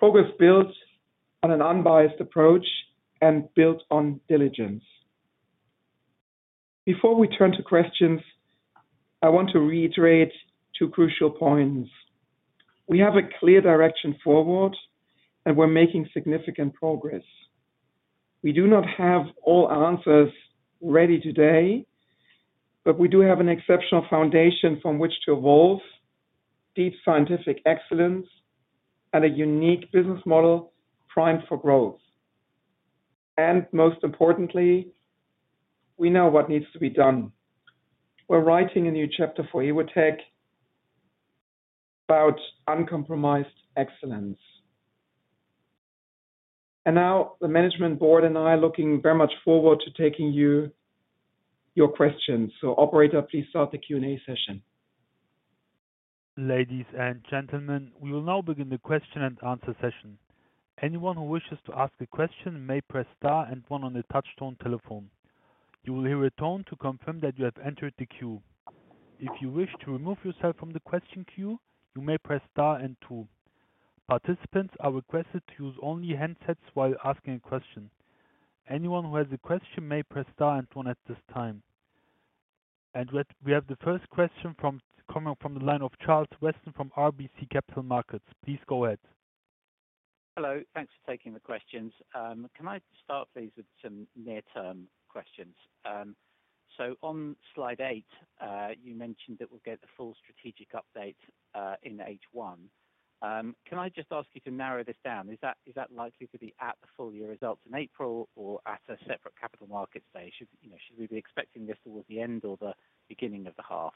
be built on an unbiased approach and built on diligence. Before we turn to questions, I want to reiterate two crucial points. We have a clear direction forward, and we're making significant progress. We do not have all answers ready today, but we do have an exceptional foundation from which to evolve, deep scientific excellence, and a unique business model primed for growth. And most importantly, we know what needs to be done. We're writing a new chapter for Evotec about uncompromised excellence. And now the management board and I are looking very much forward to taking your questions. So operator, please start the Q&A session. Ladies and gentlemen, we will now begin the question and answer session. Anyone who wishes to ask a question may press star and one on the touch-tone telephone. You will hear a tone to confirm that you have entered the queue. If you wish to remove yourself from the question queue, you may press star and two. Participants are requested to use only handsets while asking a question. Anyone who has a question may press star and one at this time. We have the first question coming from the line of Charles Weston from RBC Capital Markets. Please go ahead. Hello. Thanks for taking the questions. Can I start, please, with some near-term questions? So on slide eight, you mentioned that we'll get the full strategic update in H1. Can I just ask you to narrow this down? Is that likely to be at the full year results in April or at a separate capital markets day? Should we be expecting this towards the end or the beginning of the half?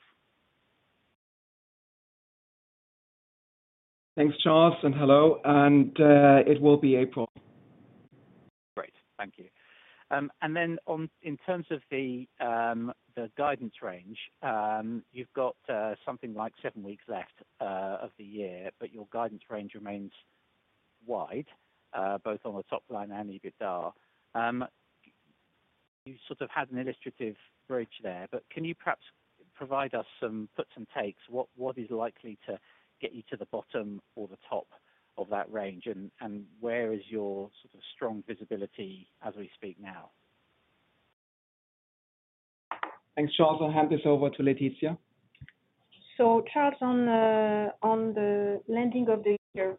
Thanks, Charles, and hello. It will be April. Great. Thank you. And then in terms of the guidance range, you've got something like seven weeks left of the year, but your guidance range remains wide, both on the top line and EBITDA. You sort of had an illustrative bridge there, but can you perhaps provide us some puts and takes? What is likely to get you to the bottom or the top of that range, and where is your strong visibility as we speak now? Thanks, Charles. I'll hand this over to Laetitia. So, Charles, on the end of the year,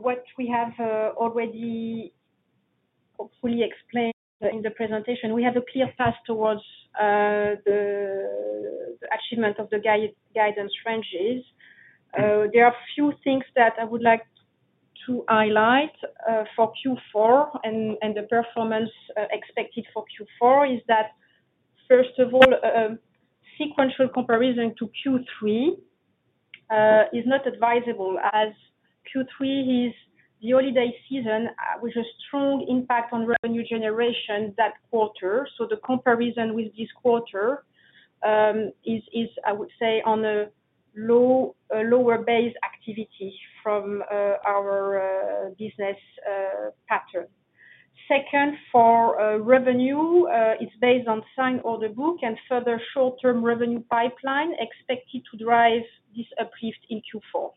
what we have already fully explained in the presentation, we have a clear path towards the achievement of the guidance ranges. There are a few things that I would like to highlight for Q4 and the performance expected for Q4 is that, first of all, sequential comparison to Q3 is not advisable as Q3 is the holiday season with a strong impact on revenue generation that quarter, so the comparison with this quarter is, I would say, on a lower base activity from our business pattern. Second, for revenue, it's based on signed order book and further short-term revenue pipeline expected to drive this uplift in Q4,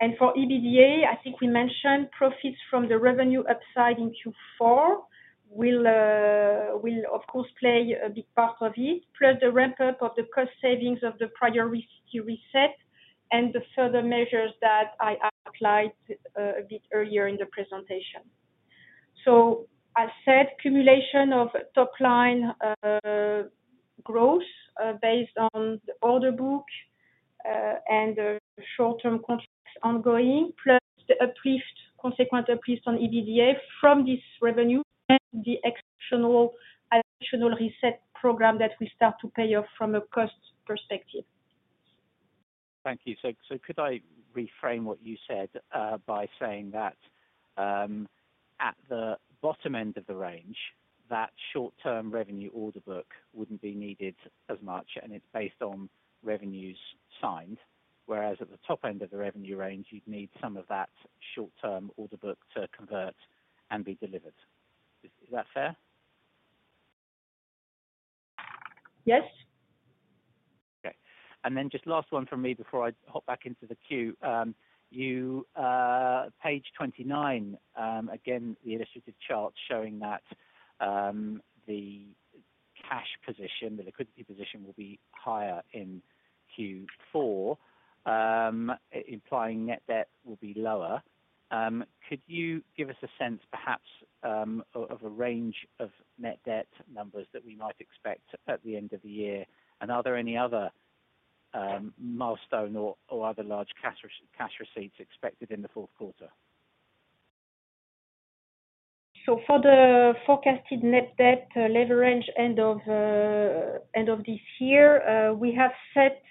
and for EBITDA, I think we mentioned profits from the revenue upside in Q4 will, of course, play a big part of it, plus the ramp-up of the cost savings of the Priority Reset and the further measures that I applied a bit earlier in the presentation. So I said accumulation of top-line growth based on the order book and the short-term contracts ongoing, plus the consequent uplift on EBITDA from this revenue and the additional reset program that we start to pay off from a cost perspective. Thank you. So could I reframe what you said by saying that at the bottom end of the range, that short-term revenue order book wouldn't be needed as much, and it's based on revenues signed, whereas at the top end of the revenue range, you'd need some of that short-term order book to convert and be delivered. Is that fair? Yes. Okay. And then just last one from me before I hop back into the queue. Page 29, again, the illustrative chart showing that the cash position, the liquidity position, will be higher in Q4, implying net debt will be lower. Could you give us a sense, perhaps, of a range of net debt numbers that we might expect at the end of the year? And are there any other milestones or other large cash receipts expected in the fourth quarter? So for the forecasted net debt leverage end of this year, we have set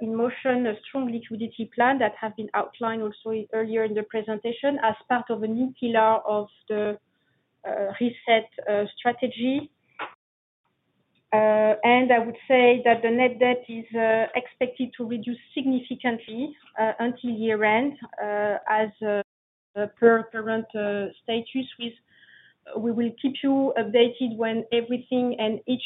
in motion a strong liquidity plan that has been outlined also earlier in the presentation as part of a new pillar of the reset strategy. And I would say that the net debt is expected to reduce significantly until year-end as per parent status, with we will keep you updated when everything and each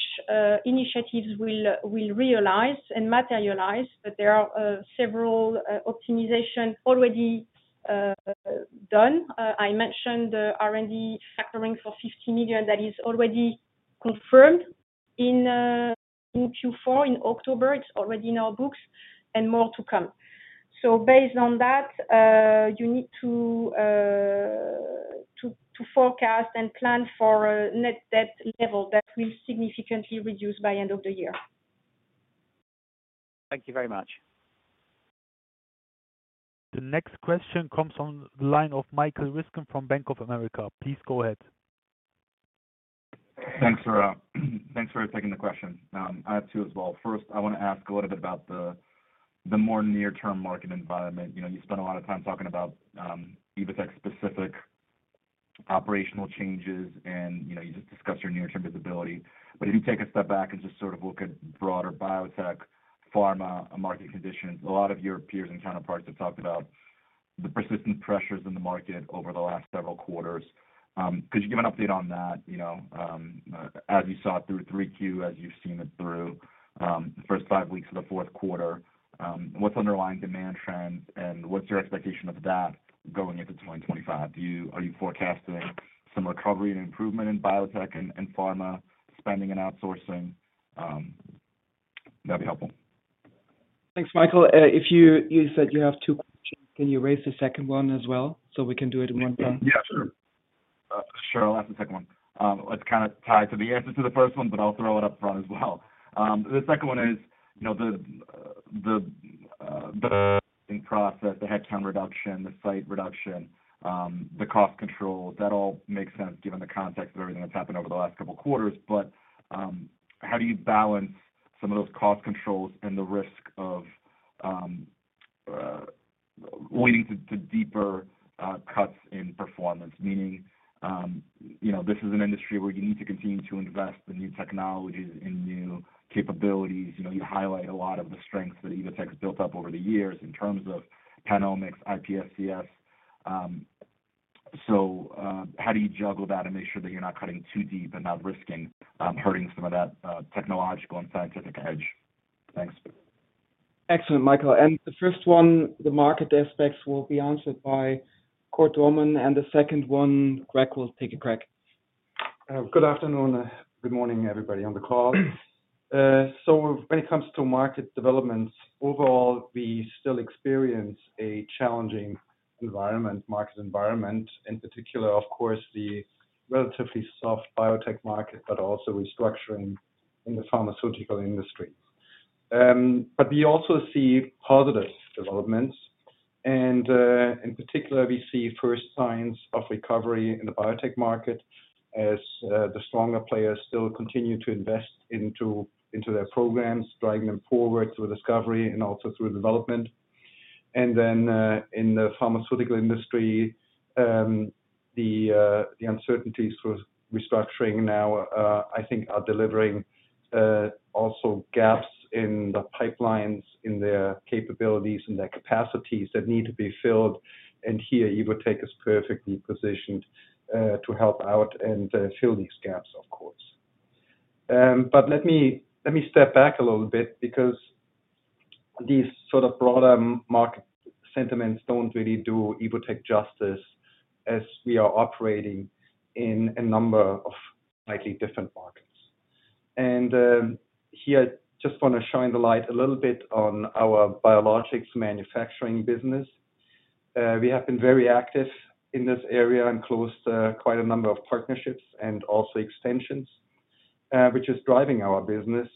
initiative will realize and materialize. But there are several optimizations already done. I mentioned the R&D factoring for 50 million that is already confirmed in Q4 in October. It's already in our books and more to come. So based on that, you need to forecast and plan for a net debt level that will significantly reduce by end of the year. Thank you very much. The next question comes on the line of Michael Ryskin from Bank of America. Please go ahead. Thanks for taking the question. I have two as well. First, I want to ask a little bit about the more near-term market environment. You spent a lot of time talking about Evotec-specific operational changes, and you just discussed your near-term visibility. But if you take a step back and just sort of look at broader biotech, pharma, market conditions, a lot of your peers and counterparts have talked about the persistent pressures in the market over the last several quarters. Could you give an update on that as you saw it through 3Q, as you've seen it through the first five weeks of the fourth quarter? What's the underlying demand trend, and what's your expectation of that going into 2025? Are you forecasting some recovery and improvement in biotech and pharma spending and outsourcing? That'd be helpful. Thanks, Michael. You said you have two questions. Can you raise the second one as well so we can do it in one time? Yeah, sure. Sure. I'll ask the second one. It's kind of tied to the answer to the first one, but I'll throw it up front as well. The second one is the process, the headcount reduction, the site reduction, the cost control. That all makes sense given the context of everything that's happened over the last couple of quarters. But how do you balance some of those cost controls and the risk of leading to deeper cuts in performance? Meaning this is an industry where you need to continue to invest in new technologies, in new capabilities. You highlight a lot of the strengths that Evotec has built up over the years in terms of PanOmics, iPSCs. So how do you juggle that and make sure that you're not cutting too deep and not risking hurting some of that technological and scientific edge? Thanks. Excellent, Michael. And the first one, the market aspects will be answered by Cord Dohrmann, and the second one, Craig will take a crack. Good afternoon and good morning, everybody on the call. So when it comes to market developments, overall, we still experience a challenging market environment, in particular, of course, the relatively soft biotech market, but also restructuring in the pharmaceutical industry. But we also see positive developments. And in particular, we see first signs of recovery in the biotech market as the stronger players still continue to invest into their programs, driving them forward through discovery and also through development. And then in the pharmaceutical industry, the uncertainties for restructuring now, I think, are delivering also gaps in the pipelines, in their capabilities, and their capacities that need to be filled. And here, Evotec is perfectly positioned to help out and fill these gaps, of course. But let me step back a little bit because these sort of broader market sentiments don't really do Evotec justice as we are operating in a number of slightly different markets. And here, I just want to shine the light a little bit on our biologics manufacturing business. We have been very active in this area and closed quite a number of partnerships and also extensions, which is driving our business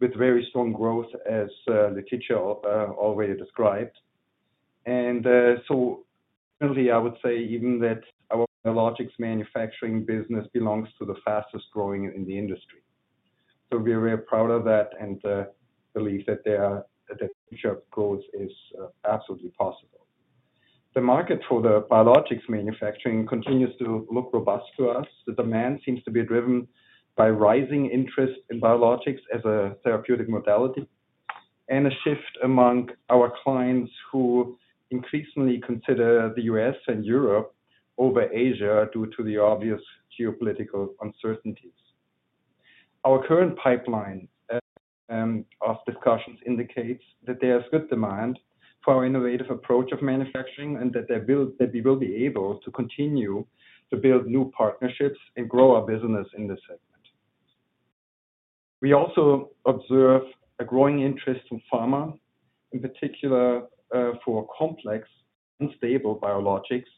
with very strong growth, as Laetitia already described, and so definitely, I would say even that our biologics manufacturing business belongs to the fastest growing in the industry, so we're very proud of that and believe that the future of growth is absolutely possible. The market for the biologics manufacturing continues to look robust to us. The demand seems to be driven by rising interest in biologics as a therapeutic modality and a shift among our clients who increasingly consider the U.S. and Europe over Asia due to the obvious geopolitical uncertainties. Our current pipeline of discussions indicates that there is good demand for our innovative approach of manufacturing and that we will be able to continue to build new partnerships and grow our business in this segment. We also observe a growing interest in pharma, in particular for complex, unstable biologics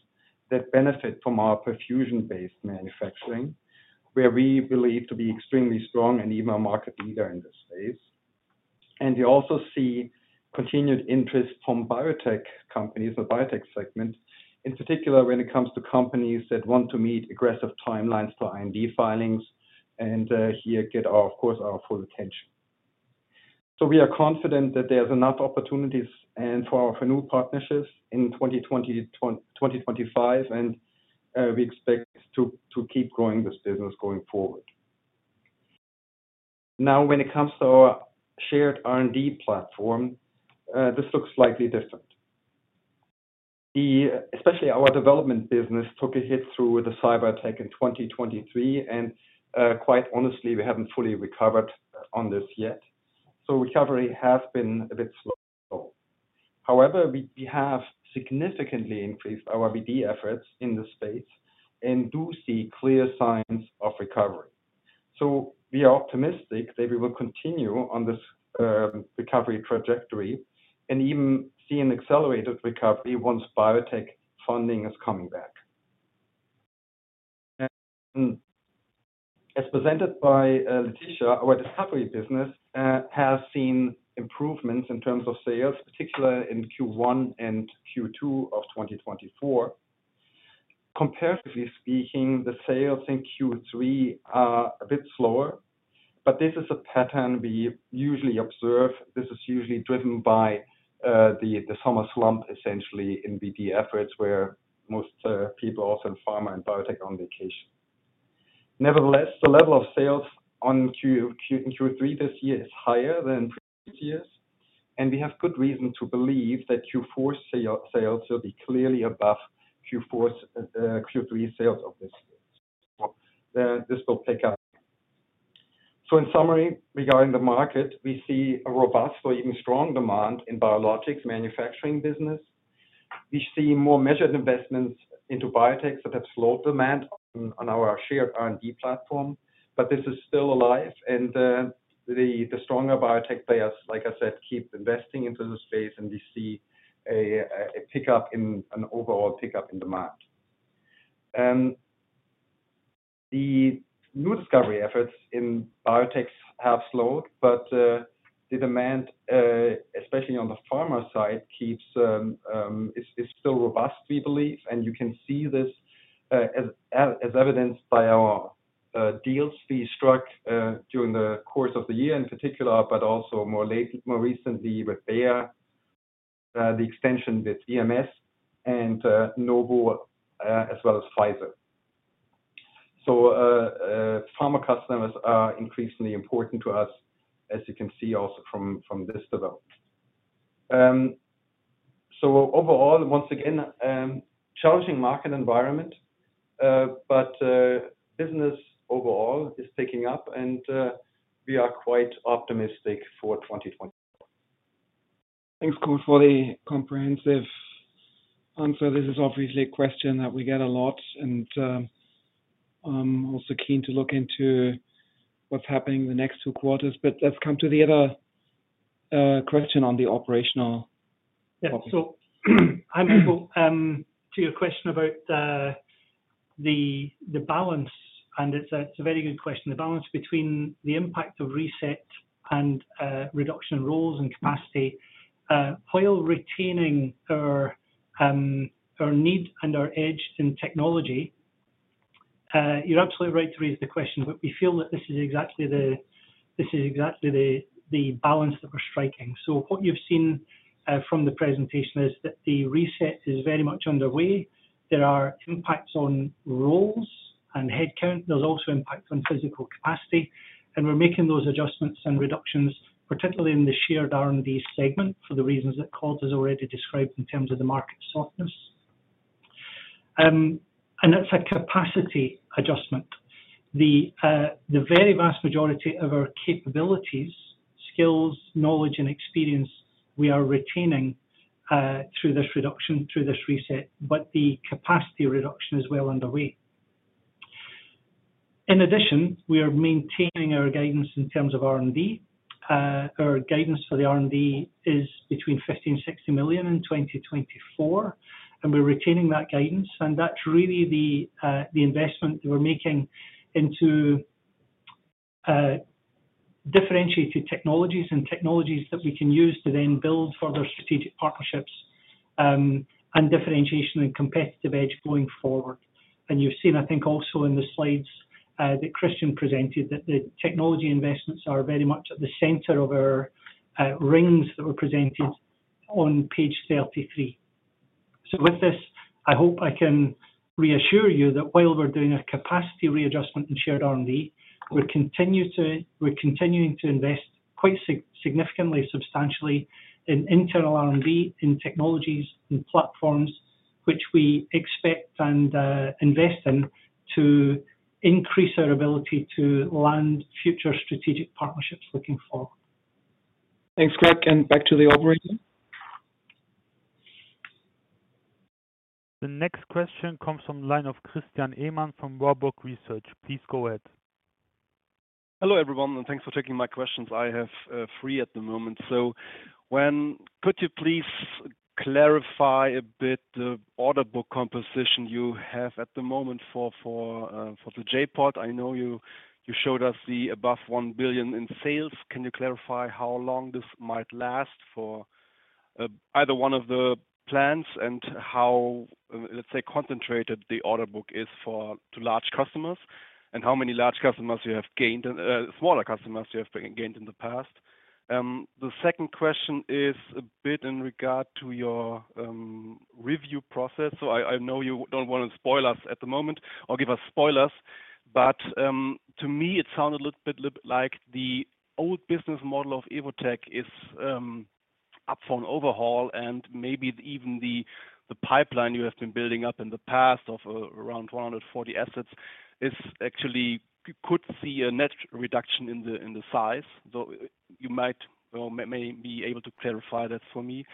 that benefit from our perfusion-based manufacturing, where we believe to be extremely strong and even a market leader in this space. And we also see continued interest from biotech companies in the biotech segment, in particular when it comes to companies that want to meet aggressive timelines for IND filings and here get, of course, our full attention. So we are confident that there are enough opportunities for our renewed partnerships in 2025, and we expect to keep growing this business going forward. Now, when it comes to our Shared R&D platform, this looks slightly different. Especially our development business took a hit through the cyber attack in 2023, and quite honestly, we haven't fully recovered on this yet. So recovery has been a bit slow. However, we have significantly increased our BD efforts in this space and do see clear signs of recovery. So we are optimistic that we will continue on this recovery trajectory and even see an accelerated recovery once biotech funding is coming back. As presented by Laetitia, our discovery business has seen improvements in terms of sales, particularly in Q1 and Q2 of 2024. Comparatively speaking, the sales in Q3 are a bit slower, but this is a pattern we usually observe. This is usually driven by the summer slump, essentially, in BD efforts where most people are also in pharma and biotech on vacation. Nevertheless, the level of sales in Q3 this year is higher than in previous years, and we have good reason to believe that Q4 sales will be clearly above Q3 sales of this year. This will pick up. In summary, regarding the market, we see a robust or even strong demand in the biologics manufacturing business. We see more measured investments into biotechs that have slowed demand on our Shared R&D platform, but this is still alive. The stronger biotech players, like I said, keep investing into this space, and we see an overall pickup in demand. The new discovery efforts in biotechs have slowed, but the demand, especially on the pharma side, is still robust, we believe. You can see this as evidenced by our deals we struck during the course of the year in particular, but also more recently with Bayer, the extension with BMS, and Novo, as well as Pfizer. Pharma customers are increasingly important to us, as you can see also from this development. Overall, once again, challenging market environment, but business overall is picking up, and we are quite optimistic for 2024. Thanks, Cord, for the comprehensive answer. This is obviously a question that we get a lot, and I'm also keen to look into what's happening in the next two quarters. Let's come to the other question on the operational. Yeah. I'm turning to your question about the balance, and it's a very good question. The balance between the impact of reset and reduction in roles and capacity. While retaining our need and our edge in technology, you're absolutely right to raise the question, but we feel that this is exactly the balance that we're striking. So what you've seen from the presentation is that the reset is very much underway. There are impacts on roles and headcount. There's also impact on physical capacity. And we're making those adjustments and reductions, particularly in the Shared R&D segment for the reasons that Cord has already described in terms of the market softness. And that's a capacity adjustment. The very vast majority of our capabilities, skills, knowledge, and experience, we are retaining through this reduction, through this reset, but the capacity reduction is well underway. In addition, we are maintaining our guidance in terms of R&D. Our guidance for the R&D is between 50 and 60 million EUR in 2024, and we're retaining that guidance. That's really the investment that we're making into differentiated technologies and technologies that we can use to then build further strategic partnerships and differentiation and competitive edge going forward. You've seen, I think, also in the slides that Christian presented, that the technology investments are very much at the center of our rings that were presented on page 33. With this, I hope I can reassure you that while we're doing a capacity readjustment in Shared R&D, we're continuing to invest quite significantly, substantially in internal R&D, in technologies, in platforms, which we expect and invest in to increase our ability to land future strategic partnerships looking forward. Thanks, Craig. Back to the overview. The next question comes from the line of Christian Ehmann from Warburg Research. Please go ahead. Hello everyone, and thanks for taking my questions. I have three at the moment. Could you please clarify a bit the order book composition you have at the moment for the J.POD? I know you showed us the above €1 billion in sales. Can you clarify how long this might last for either one of the plans and how, let's say, concentrated the order book is for large customers and how many large customers you have gained and smaller customers you have gained in the past? The second question is a bit in regard to your review process. So I know you don't want to spoil us at the moment or give us spoilers, but to me, it sounded a little bit like the old business model of Evotec is up for an overhaul, and maybe even the pipeline you have been building up in the past of around 140 assets actually could see a net reduction in the size. So you might be able to clarify that for me.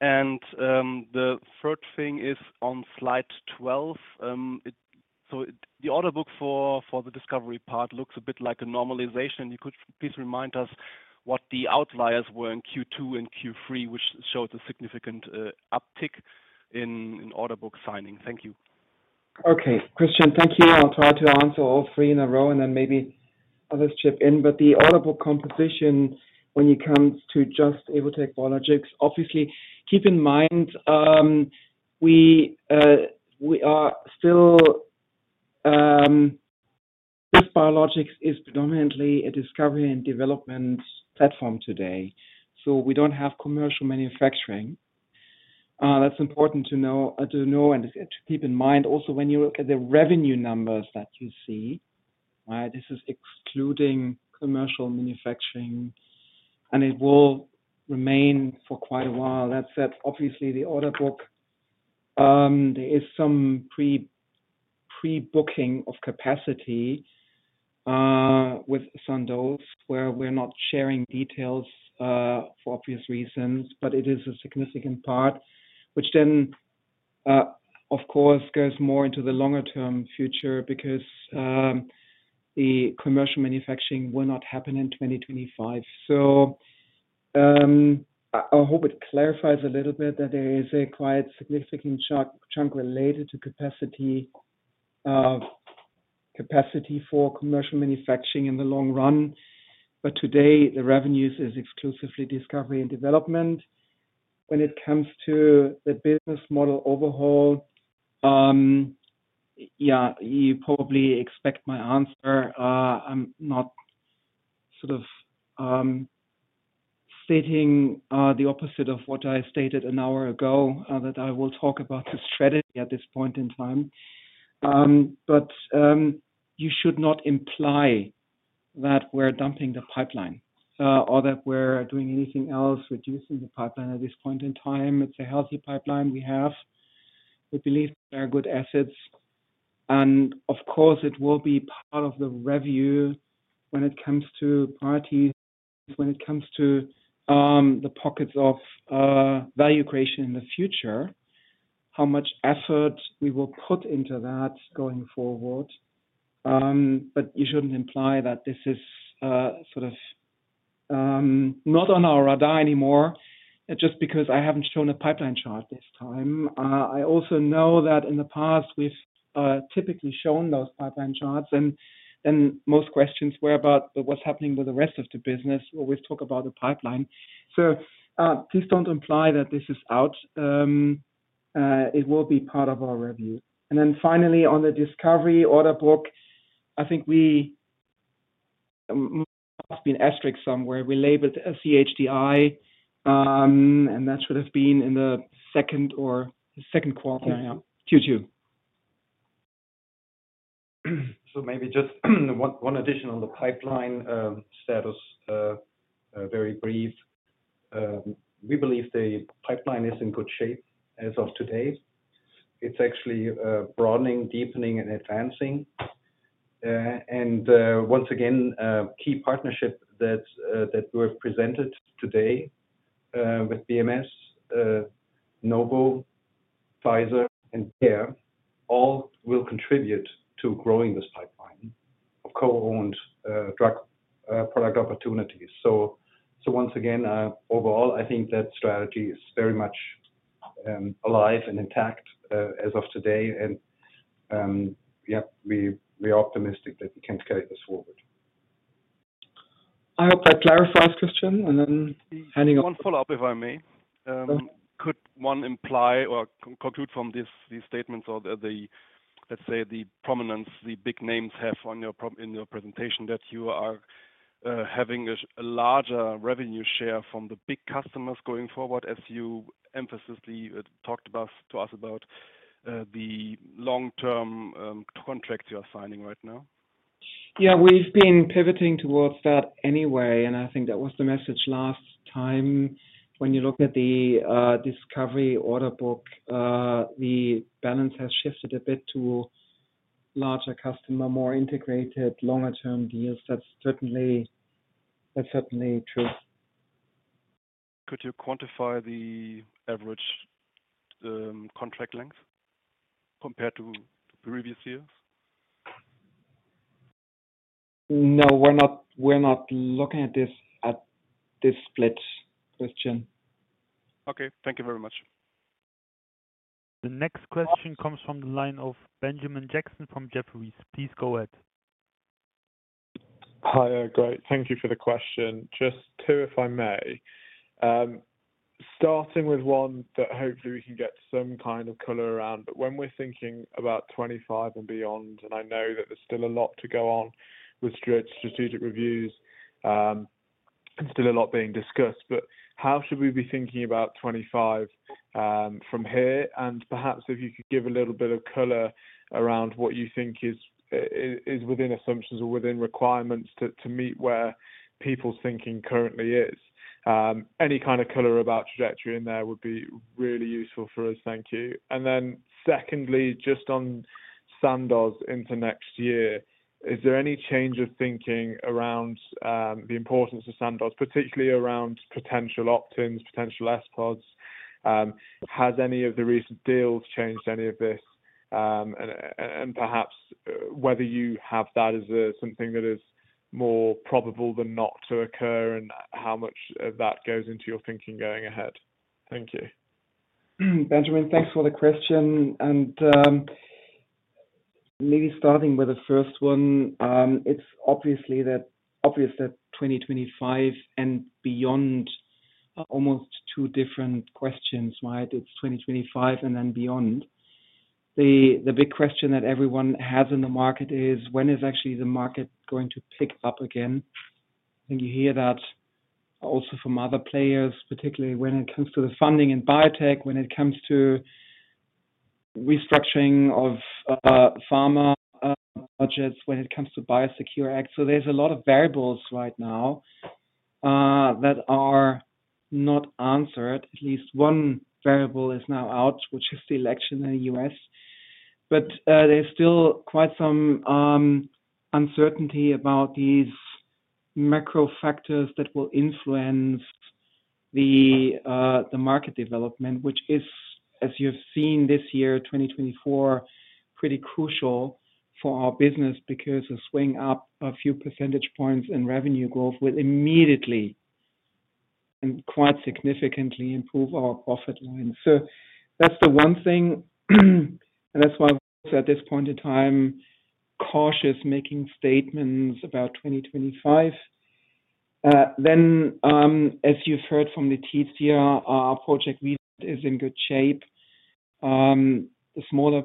And the third thing is on slide 12. So the order book for the discovery part looks a bit like a normalization. You could please remind us what the outliers were in Q2 and Q3, which showed a significant uptick in order book signing. Thank you. Okay. Christian, thank you. I'll try to answer all three in a row, and then maybe others chip in. But the order book composition, when it comes to Just – Evotec Biologics, obviously, keep in mind we are still, this biologics is predominantly a discovery and development platform today. So we don't have commercial manufacturing. That's important to know and to keep in mind also when you look at the revenue numbers that you see. This is excluding commercial manufacturing, and it will remain for quite a while. That said, obviously, the order book, there is some pre-booking of capacity with Sandoz, where we're not sharing details for obvious reasons, but it is a significant part, which then, of course, goes more into the longer-term future because the commercial manufacturing will not happen in 2025. So I hope it clarifies a little bit that there is a quite significant chunk related to capacity for commercial manufacturing in the long run. But today, the revenues are exclusively discovery and development. When it comes to the business model overhaul, yeah, you probably expect my answer. I'm not sort of stating the opposite of what I stated an hour ago that I will talk about the strategy at this point in time. But you should not imply that we're dumping the pipeline or that we're doing anything else reducing the pipeline at this point in time. It's a healthy pipeline we have. We believe there are good assets. And of course, it will be part of the revenue when it comes to priorities, when it comes to the pockets of value creation in the future, how much effort we will put into that going forward. But you shouldn't imply that this is sort of not on our radar anymore just because I haven't shown a pipeline chart this time. I also know that in the past, we've typically shown those pipeline charts, and most questions were about what's happening with the rest of the business. We've talked about the pipeline. So please don't imply that this is out. It will be part of our review. And then finally, on the discovery order book, I think we must have been asterisk somewhere. We labeled CHDI, and that should have been in the second quarter. Yeah. Q2. So maybe just one addition on the pipeline status, very brief. We believe the pipeline is in good shape as of today. It's actually broadening, deepening, and advancing. And once again, key partnership that we've presented today with BMS, Novo, Pfizer, and Bayer all will contribute to growing this pipeline of co-owned drug product opportunities. So once again, overall, I think that strategy is very much alive and intact as of today. And yeah, we are optimistic that we can carry this forward. I hope that clarifies, Christian. And then handing off. One follow-up, if I may. Could one imply or conclude from these statements or the, let's say, the prominence the big names have in your presentation that you are having a larger revenue share from the big customers going forward as you emphatically talked to us about the long-term contracts you are signing right now? Yeah. We've been pivoting towards that anyway, and I think that was the message last time when you look at the discovery order book, the balance has shifted a bit to larger customer, more integrated, longer-term deals. That's certainly true. Could you quantify the average contract length compared to previous years? No. We're not looking at this split, Christian. Okay. Thank you very much. The next question comes from the line of Benjamin Jackson from Jefferies. Please go ahead. Hi, Craig. Thank you for the question. Just two if I may. Starting with one that hopefully we can get some kind of color around, but when we're thinking about 2025 and beyond, and I know that there's still a lot to go on with strategic reviews and still a lot being discussed, but how should we be thinking about 2025 from here? And perhaps if you could give a little bit of color around what you think is within assumptions or within requirements to meet where people's thinking currently is. Any kind of color about trajectory in there would be really useful for us. Thank you. And then secondly, just on Sandoz into next year, is there any change of thinking around the importance of Sandoz, particularly around potential opt-ins, potential J.PODs? Has any of the recent deals changed any of this? And perhaps whether you have that as something that is more probable than not to occur and how much of that goes into your thinking going ahead. Thank you. Benjamin, thanks for the question. And maybe starting with the first one, it's obvious that 2025 and beyond are almost two different questions, right? It's 2025 and then beyond. The big question that everyone has in the market is, when is actually the market going to pick up again? And you hear that also from other players, particularly when it comes to the funding in biotech, when it comes to restructuring of pharma budgets, when it comes to Biosecure Act. So there's a lot of variables right now that are not answered. At least one variable is now out, which is the election in the US. But there's still quite some uncertainty about these macro factors that will influence the market development, which is, as you have seen this year, 2024, pretty crucial for our business because a swing up a few percentage points in revenue growth will immediately and quite significantly improve our profit line. So that's the one thing. And that's why we're at this point in time cautious making statements about 2025. Then, as you've heard from the team here, our project is in good shape. The smaller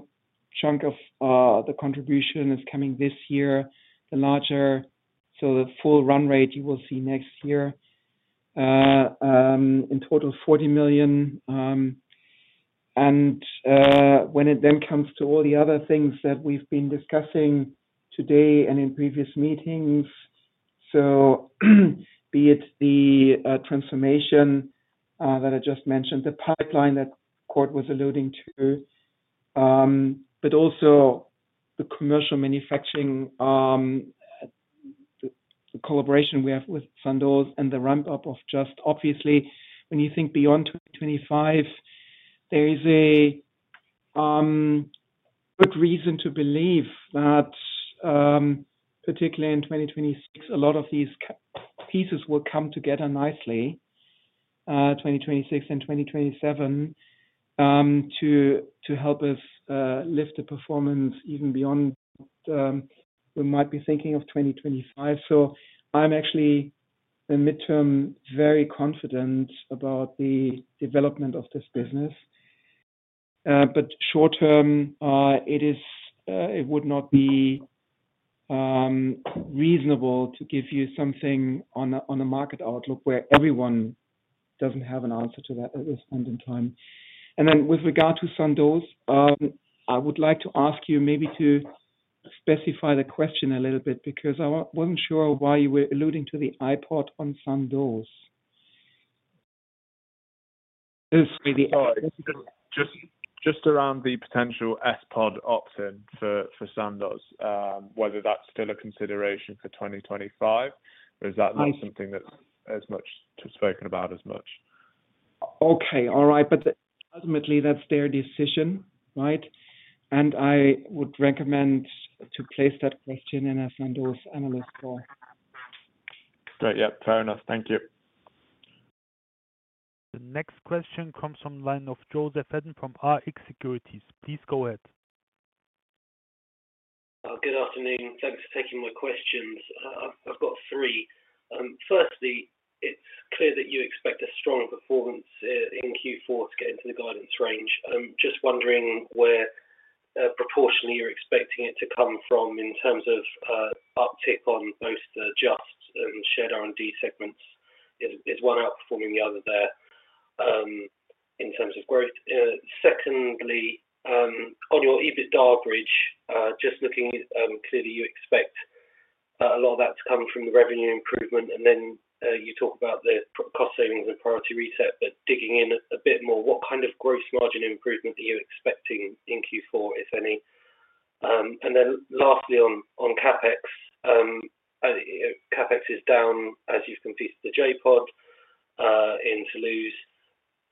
chunk of the contribution is coming this year. The larger, so the full run rate you will see next year, in total, 40 million. And when it then comes to all the other things that we've been discussing today and in previous meetings, so be it the transformation that I just mentioned, the pipeline that Cord was alluding to, but also the commercial manufacturing, the collaboration we have with Sandoz and the ramp-up of Just, obviously, when you think beyond 2025, there is a good reason to believe that, particularly in 2026, a lot of these pieces will come together nicely, 2026 and 2027, to help us lift the performance even beyond what we might be thinking of 2025. So I'm actually, in the midterm, very confident about the development of this business. But short term, it would not be reasonable to give you something on a market outlook where everyone doesn't have an answer to that at this point in time. And then with regard to Sandoz, I would like to ask you maybe to specify the question a little bit because I wasn't sure why you were alluding to the J.POD on Sandoz. Just around the potential J.POD opt-in for Sandoz, whether that's still a consideration for 2025, or is that not something that's as much spoken about as much? Okay. All right. But ultimately, that's their decision, right? And I would recommend to place that question in a Sandoz analyst call. Great. Yep. Fair enough. Thank you. The next question comes from the line of Joseph Hedden from RX Securities. Please go ahead. Good afternoon. Thanks for taking my questions. I've got three. Firstly, it's clear that you expect a strong performance in Q4 to get into the guidance range. Just wondering where proportionally you're expecting it to come from in terms of uptick on both the Just and Shared R&D segments. Is one outperforming the other there in terms of growth? Secondly, on your EBITDA average, just looking clearly, you expect a lot of that to come from the revenue improvement. And then you talk about the cost savings and Priority Reset, but digging in a bit more, what kind of gross margin improvement are you expecting in Q4, if any? And then lastly, on CapEx, CapEx is down as you've completed the J.POD in Toulouse.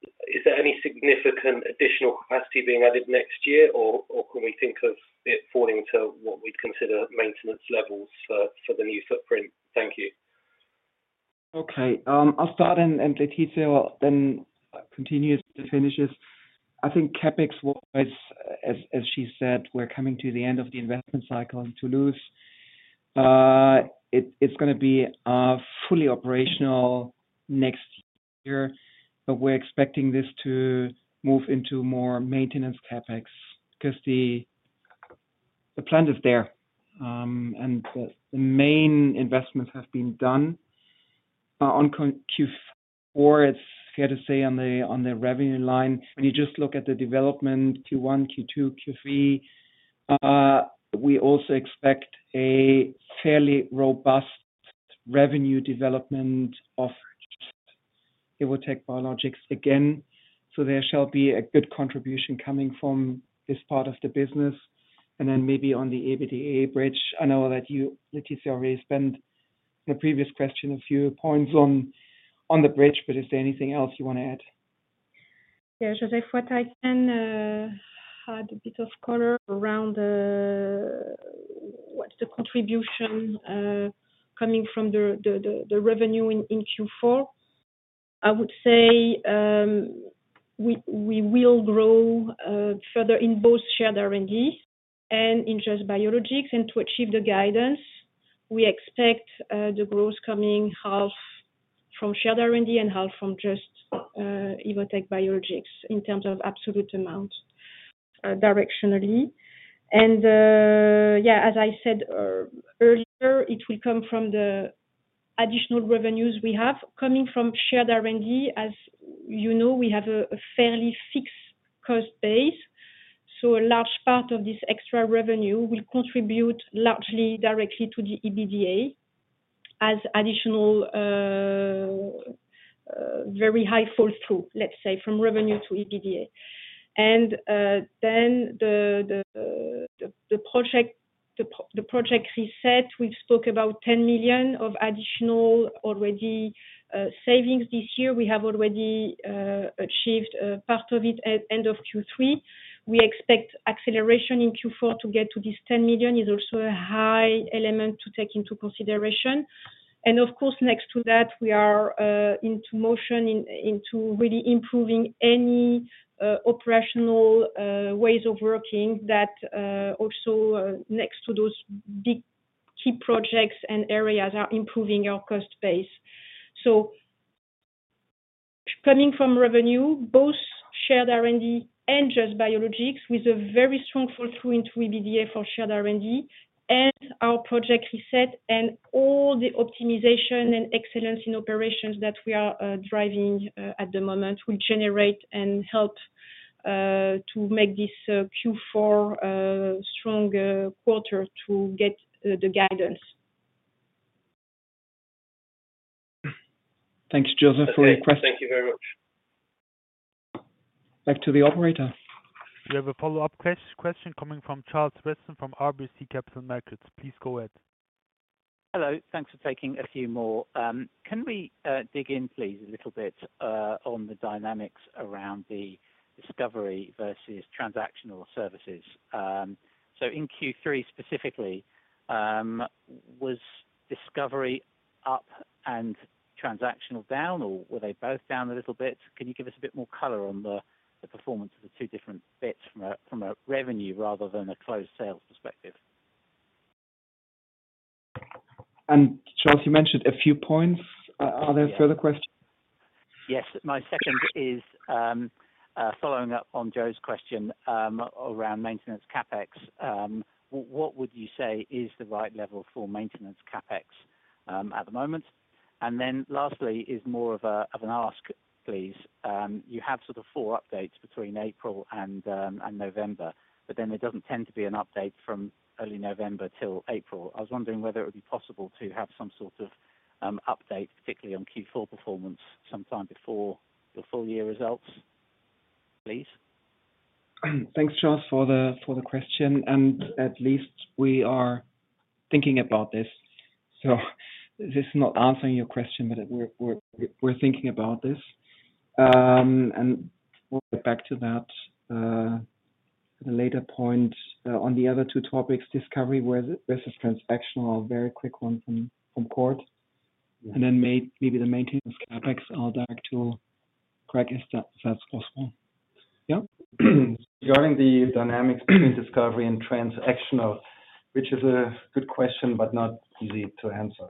Is there any significant additional capacity being added next year, or can we think of it falling to what we'd consider maintenance levels for the new footprint? Thank you. Okay. I'll start in the detail, then continue to finish this. I think CapEx-wise, as she said, we're coming to the end of the investment cycle in Toulouse. It's going to be fully operational next year, but we're expecting this to move into more maintenance CapEx because the plan is there. And the main investments have been done on Q4. It's fair to say on the revenue line, when you just look at the development, Q1, Q2, Q3, we also expect a fairly robust revenue development of Evotec Biologics again. So there shall be a good contribution coming from this part of the business. And then maybe on the EBITDA bridge, I know that you, Laetitia, already spent in a previous question a few points on the bridge, but is there anything else you want to add? Yeah. Joseph, what I can add a bit of color around what's the contribution coming from the revenue in Q4? I would say we will grow further in both Shared R&D and in Just – Evotec Biologics. To achieve the guidance, we expect the growth coming half from Shared R&D and half from Just – Evotec Biologics in terms of absolute amount directionally. Yeah, as I said earlier, it will come from the additional revenues we have coming from Shared R&D. As you know, we have a fairly fixed cost base. So a large part of this extra revenue will contribute largely directly to the EBITDA as additional very high flow-through, let's say, from revenue to EBITDA. Then the Priority Reset, we've spoke about 10 million of additional already savings this year. We have already achieved part of it at end of Q3. We expect acceleration in Q4 to get to this 10 million, which is also a high element to take into consideration. Of course, next to that, we are into motion into really improving any operational ways of working that also next to those big key projects and areas are improving our cost base. Coming from revenue, both Shared R&D and Just Biologics with a very strong fall-through into EBITDA for Shared R&D and our Priority Reset and all the optimization and excellence in operations that we are driving at the moment will generate and help to make this Q4 strong quarter to get the guidance. Thanks, Joseph, for your question. Thank you very much. Back to the operator. We have a follow-up question coming from Charles Weston from RBC Capital Markets. Please go ahead. Hello. Thanks for taking a few more. Can we dig in, please, a little bit on the dynamics around the discovery versus transactional services? So in Q3 specifically, was discovery up and transactional down, or were they both down a little bit? Can you give us a bit more color on the performance of the two different bits from a revenue rather than a closed sales perspective? And Charles, you mentioned a few points. Are there further questions? Yes. My second is following up on Joe's question around maintenance CapEx. What would you say is the right level for maintenance CapEx at the moment? And then lastly is more of an ask, please. You have sort of four updates between April and November, but then there doesn't tend to be an update from early November till April. I was wondering whether it would be possible to have some sort of update, particularly on Q4 performance sometime before your full-year results, please? Thanks, Charles, for the question. And at least we are thinking about this. So this is not answering your question, but we're thinking about this. And we'll get back to that at a later point. On the other two topics, discovery versus transactional, a very quick one from Cord. And then maybe the maintenance CapEx, I'll direct to Craig if that's possible. Yeah. Regarding the dynamics between discovery and transactional, which is a good question but not easy to answer,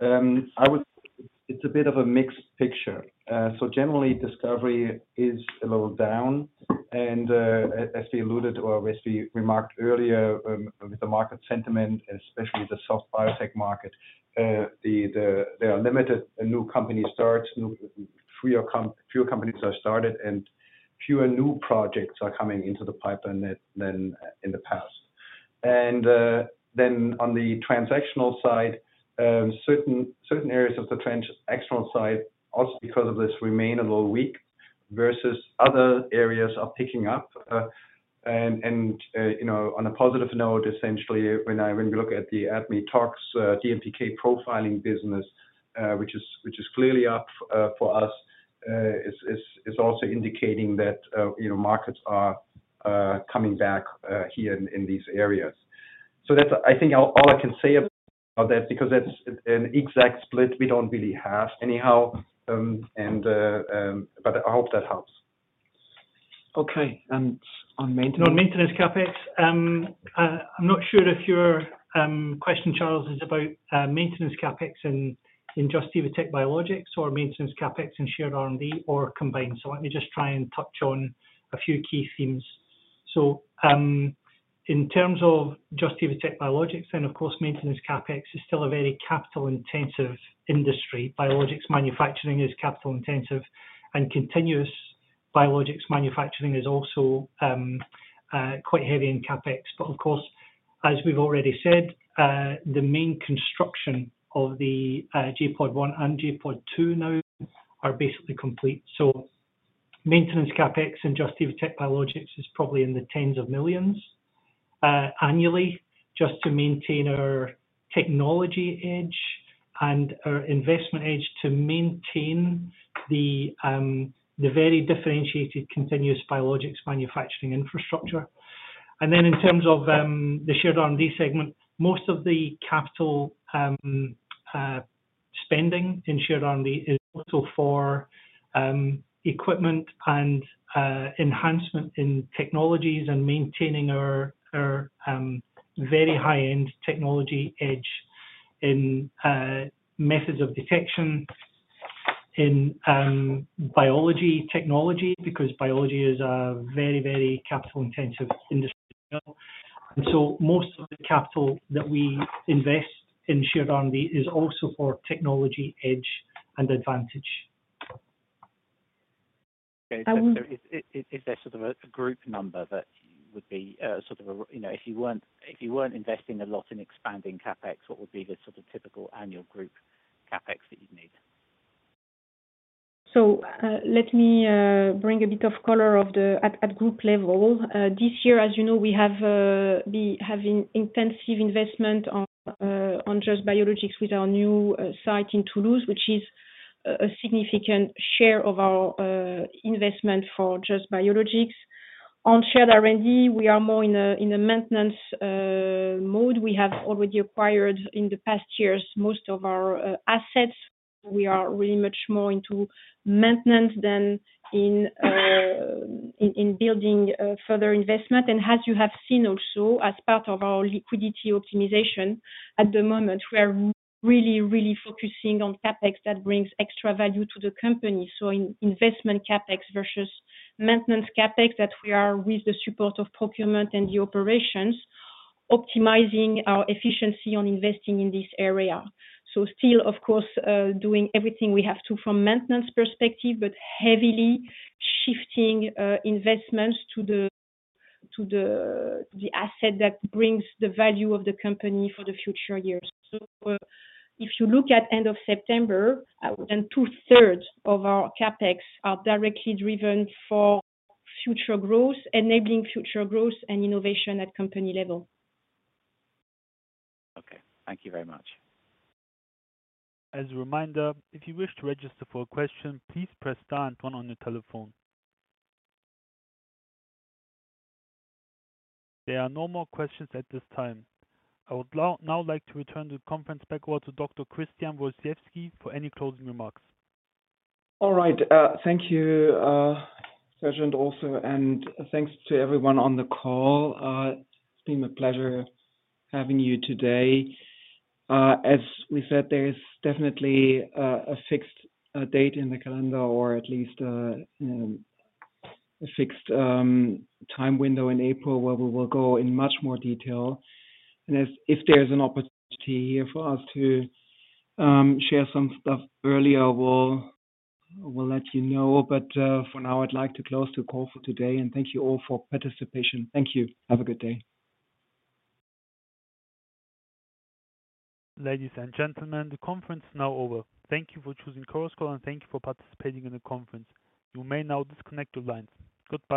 I would say it's a bit of a mixed picture. So generally, discovery is a little down. And as we alluded or as we remarked earlier, with the market sentiment, especially the soft biotech market, there are limited new company starts, fewer companies are started, and fewer new projects are coming into the pipeline than in the past. And then on the transactional side, certain areas of the transactional side, also because of this, remain a little weak versus other areas are picking up. And on a positive note, essentially, when we look at the ADME-Tox DMPK profiling business, which is clearly up for us, is also indicating that markets are coming back here in these areas. So I think all I can say about that because that's an exact split we don't really have anyhow. But I hope that helps. Okay. And on maintenance? On maintenance CapEx, I'm not sure if your question, Charles, is about maintenance CapEx in Just – Evotec Biologics or maintenance CapEx in Shared R&D or combined, so let me just try and touch on a few key themes, so in terms of Just – Evotec Biologics, then, of course, maintenance CapEx is still a very capital-intensive industry. Biologics manufacturing is capital-intensive, and continuous biologics manufacturing is also quite heavy in CapEx. But of course, as we've already said, the main construction of the J.POD 1 and J.POD 2 now are basically complete, so maintenance CapEx in Just – Evotec Biologics is probably in the tens of millions annually just to maintain our technology edge and our investment edge to maintain the very differentiated continuous biologics manufacturing infrastructure. And then in terms of the Shared R&D segment, most of the capital spending in Shared R&D is also for equipment and enhancement in technologies and maintaining our very high-end technology edge in methods of detection, in biology technology, because biology is a very, very capital-intensive industry. And so most of the capital that we invest in Shared R&D is also for technology edge and advantage. Okay. So is there sort of a group number that would be sort of a if you weren't investing a lot in expanding CapEx, what would be the sort of typical annual group CapEx that you'd need? So let me bring a bit of color at group level. This year, as you know, we have been having intensive investment on Just Biologics with our new site in Toulouse, which is a significant share of our investment for Just Biologics. On Shared R&D, we are more in a maintenance mode. We have already acquired in the past years most of our assets. We are really much more into maintenance than in building further investment. And as you have seen also, as part of our liquidity optimization, at the moment, we are really, really focusing on CapEx that brings extra value to the company. So in investment CapEx versus maintenance CapEx that we are with the support of procurement and the operations, optimizing our efficiency on investing in this area. So still, of course, doing everything we have to from maintenance perspective, but heavily shifting investments to the asset that brings the value of the company for the future years. So if you look at end of September, then two-thirds of our CapEx are directly driven for future growth, enabling future growth and innovation at company level. Okay. Thank you very much. As a reminder, if you wish to register for a question, please press star and turn on your telephone. There are no more questions at this time. I would now like to return the conference back over to Dr. Christian Wojczewski for any closing remarks. All right. Thank you, Sergin, also. And thanks to everyone on the call. It's been a pleasure having you today. As we said, there is definitely a fixed date in the calendar or at least a fixed time window in April where we will go in much more detail. And if there's an opportunity here for us to share some stuff earlier, we'll let you know. But for now, I'd like to close the call for today. And thank you all for participation. Thank you. Have a good day. Ladies and gentlemen, the conference is now over. Thank you for choosing Chorus Call, and thank you for participating in the conference. You may now disconnect your lines. Goodbye.